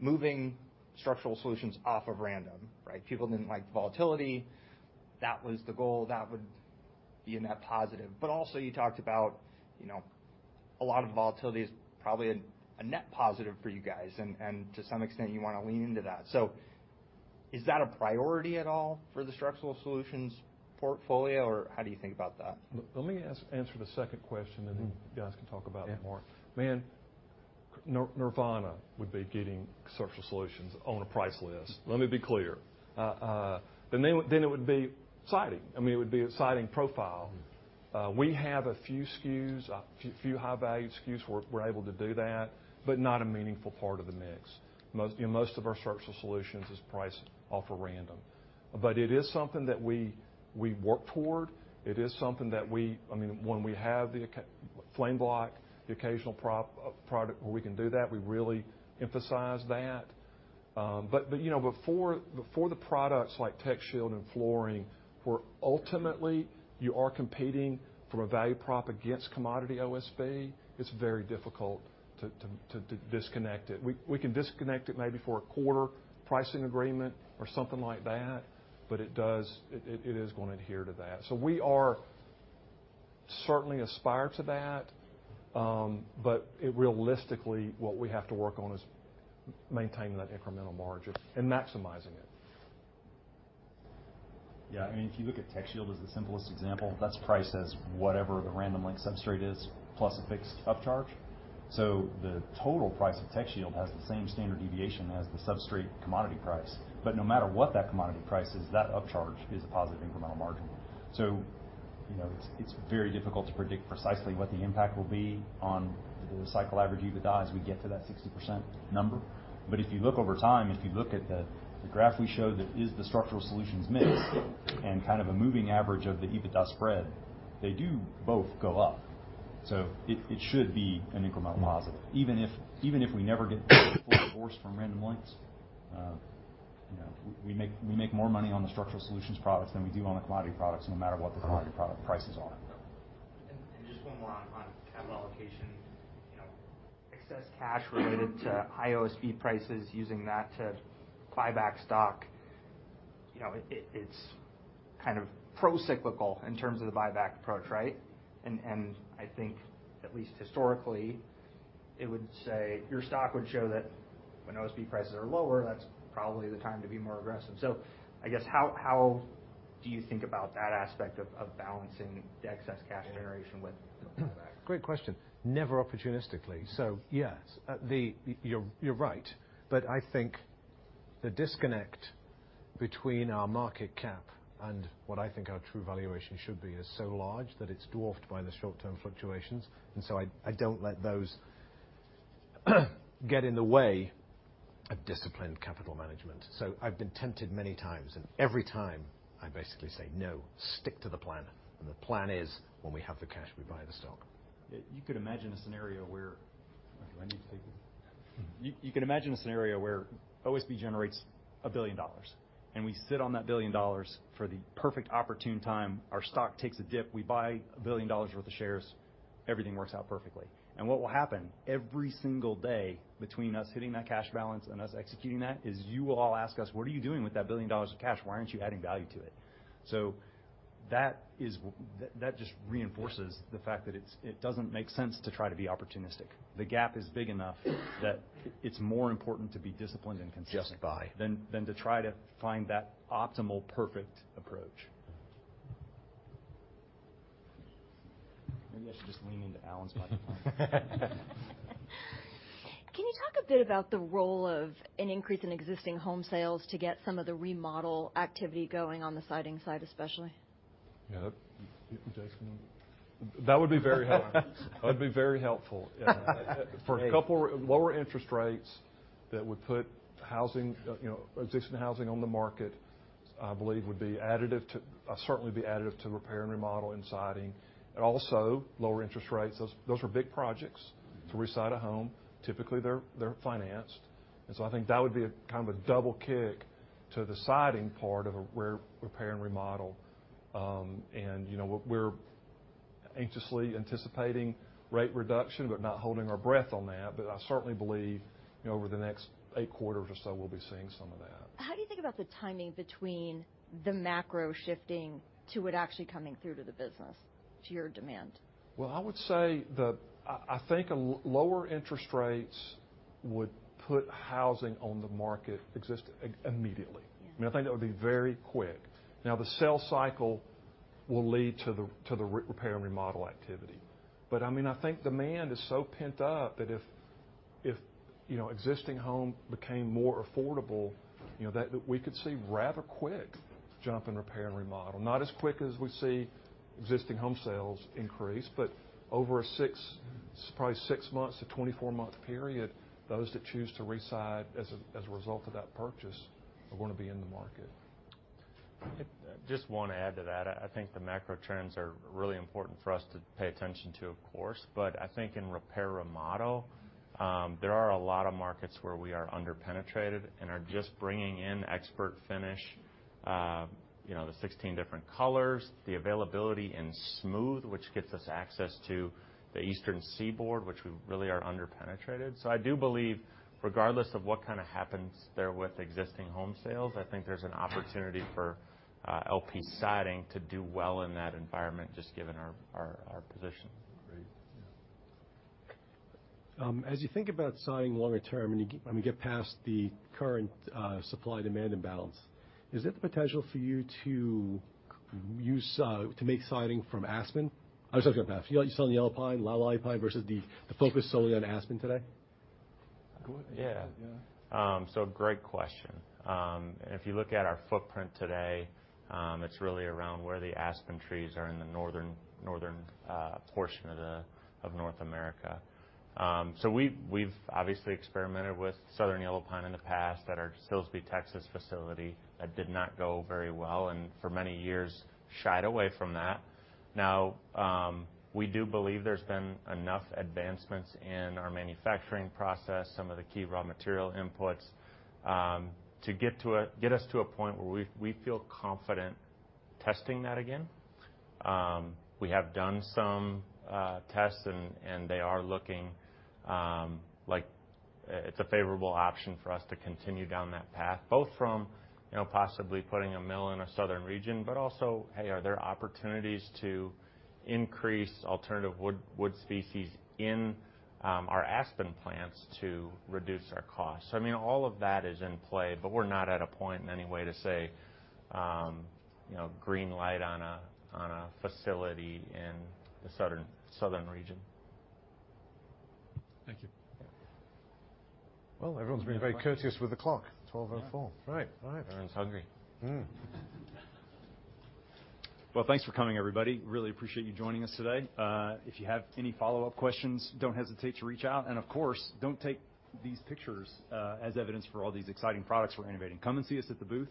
S9: moving Structural Solutions off of random, right? People didn't like volatility. That was the goal. That would be a net positive. But also, you talked about, you know, a lot of volatility is probably a net positive for you guys. And to some extent, you wanna lean into that. So is that a priority at all for the Structural Solutions portfolio, or how do you think about that?
S2: Let me answer the second question, and then you guys can talk about it more. Man, see, Nirvana would be getting Structural Solutions on a price list. Let me be clear. Then they would, then it would be siding. I mean, it would be a siding profile. We have a few SKUs, a few high-value SKUs where we're able to do that, but not a meaningful part of the mix. Most, you know, most of our Structural Solutions is priced off of random. But it is something that we work toward. It is something that we, I mean, when we have the occasional FlameBlock, the occasional product where we can do that, we really emphasize that. But, you know, before the products like TechShield and flooring, where ultimately you are competing from a value prop against commodity OSB, it's very difficult to disconnect it. We can disconnect it maybe for a quarter pricing agreement or something like that, but it is gonna adhere to that. So we are certainly aspire to that, but it realistically, what we have to work on is maintaining that incremental margin and maximizing it.
S1: Yeah. I mean, if you look at TechShield as the simplest example, that's priced as whatever the Random Lengths substrate is plus a fixed upcharge. So the total price of TechShield has the same standard deviation as the substrate commodity price. But no matter what that commodity price is, that upcharge is a positive incremental margin. So, you know, it's, it's very difficult to predict precisely what the impact will be on the cycle average EBITDA as we get to that 60% number. But if you look over time, if you look at the, the graph we showed that is the Structural Solutions mix and kind of a moving average of the EBITDA spread, they do both go up. So it should be an incremental positive, even if we never get full divorce from Random Lengths. You know, we make more money on the Structural Solutions products than we do on the commodity products, no matter what the commodity product prices are.
S9: And just one more on capital allocation, you know, excess cash related to high OSB prices, using that to buy back stock, you know, it's kind of procyclical in terms of the buyback approach, right? And I think, at least historically, it would say your stock would show that when OSB prices are lower, that's probably the time to be more aggressive. So I guess, how do you think about that aspect of balancing the excess cash generation with the buyback?
S6: Great question. Never opportunistically. So yes, you're right. But I think the disconnect between our market cap and what I think our true valuation should be is so large that it's dwarfed by the short-term fluctuations. And so I, I don't let those get in the way of disciplined capital management. So I've been tempted many times, and every time, I basically say, "No, stick to the plan." And the plan is, when we have the cash, we buy the stock.
S1: Yeah. You could imagine a scenario where okay. Do I need to take this? You, you can imagine a scenario where OSB generates $1 billion, and we sit on that $1 billion for the perfect opportune time. Our stock takes a dip. We buy $1 billion worth of shares. Everything works out perfectly. What will happen every single day between us hitting that cash balance and us executing that is you will all ask us, "What are you doing with that $1 billion of cash? Why aren't you adding value to it?" So that is what that, that just reinforces the fact that it's, it doesn't make sense to try to be opportunistic. The gap is big enough that it's more important to be disciplined and consistent. Just buy. Than to try to find that optimal, perfect approach. Maybe I should just lean into Alan's buyback plan.
S11: Can you talk a bit about the role of an increase in existing home sales to get some of the remodel activity going on the siding side, especially?
S2: Yeah. That you Jason? That would be very helpful. Yeah. For a couple lower interest rates that would put housing, you know, existing housing on the market, I believe, would be additive to certainly be additive to repair and remodel in siding. And also, lower interest rates. Those are big projects to reside a home. Typically, they're financed. And so I think that would be a kind of a double kick to the siding part of a repair and remodel. You know, we're anxiously anticipating rate reduction but not holding our breath on that. But I certainly believe, you know, over the next eight quarters or so, we'll be seeing some of that.
S11: How do you think about the timing between the macro shifting to it actually coming through to the business, to your demand?
S2: Well, I would say, I think a lower interest rates would put housing on the market existing immediately. I mean, I think that would be very quick. Now, the sales cycle will lead to the repair and remodel activity. But I mean, I think demand is so pent up that if you know, existing home became more affordable, you know, that we could see rather quick jump in repair and remodel, not as quick as we see existing home sales increase. But over a 6-month to 24-month period, those that choose to reside as a result of that purchase are gonna be in the market.
S3: I just wanna add to that. I think the macro trends are really important for us to pay attention to, of course. But I think in repair/remodel, there are a lot of markets where we are underpenetrated and are just bringing in ExpertFinish, you know, the 16 different colors, the availability in smooth, which gets us access to the eastern seaboard, which we really are underpenetrated. So I do believe, regardless of what kinda happens there with existing home sales, I think there's an opportunity for LP siding to do well in that environment, just given our, our, our position.
S10: Great. Yeah. As you think about siding longer term and you, I mean, get past the current supply-demand imbalance, is it the potential for you to use, to make siding from aspen. I'm sorry. I'm just gonna pass. You, you selling the yellow pine, Loblolly pine versus the, the focus solely on aspen today?
S2: Go ahead.
S3: Yeah. So great question. If you look at our footprint today, it's really around where the aspen trees are in the northern portion of North America. So we've obviously experimented with southern yellow pine in the past at our Silsbee, Texas, facility that did not go very well and for many years shied away from that. Now, we do believe there's been enough advancements in our manufacturing process, some of the key raw material inputs, to get us to a point where we feel confident testing that again. We have done some tests, and they are looking like it's a favorable option for us to continue down that path, both from, you know, possibly putting a mill in a southern region but also, hey, are there opportunities to increase alternative wood species in our aspen plants to reduce our cost? So I mean, all of that is in play, but we're not at a point in any way to say, you know, green light on a facility in the southern region.
S10: Thank you.
S6: Yeah. Well, everyone's being very courteous with the clock, 12:04. Right. Right.
S1: Everyone's hungry. Well, thanks for coming, everybody. Really appreciate you joining us today. If you have any follow-up questions, don't hesitate to reach out. And of course, don't take these pictures as evidence for all these exciting products we're innovating. Come and see us at the booth.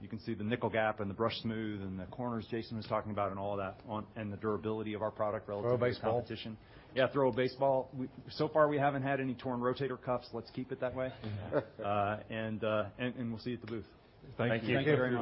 S1: You can see the Nickel Gap and the Brushed Smooth and the corners Jason was talking about and all of that and the durability of our product relative to competition. Throw a baseball. Yeah. Throw a baseball. So far, we haven't had any torn rotator cuffs. Let's keep it that way. We'll see you at the booth. Thank you. Thank you. Thank you.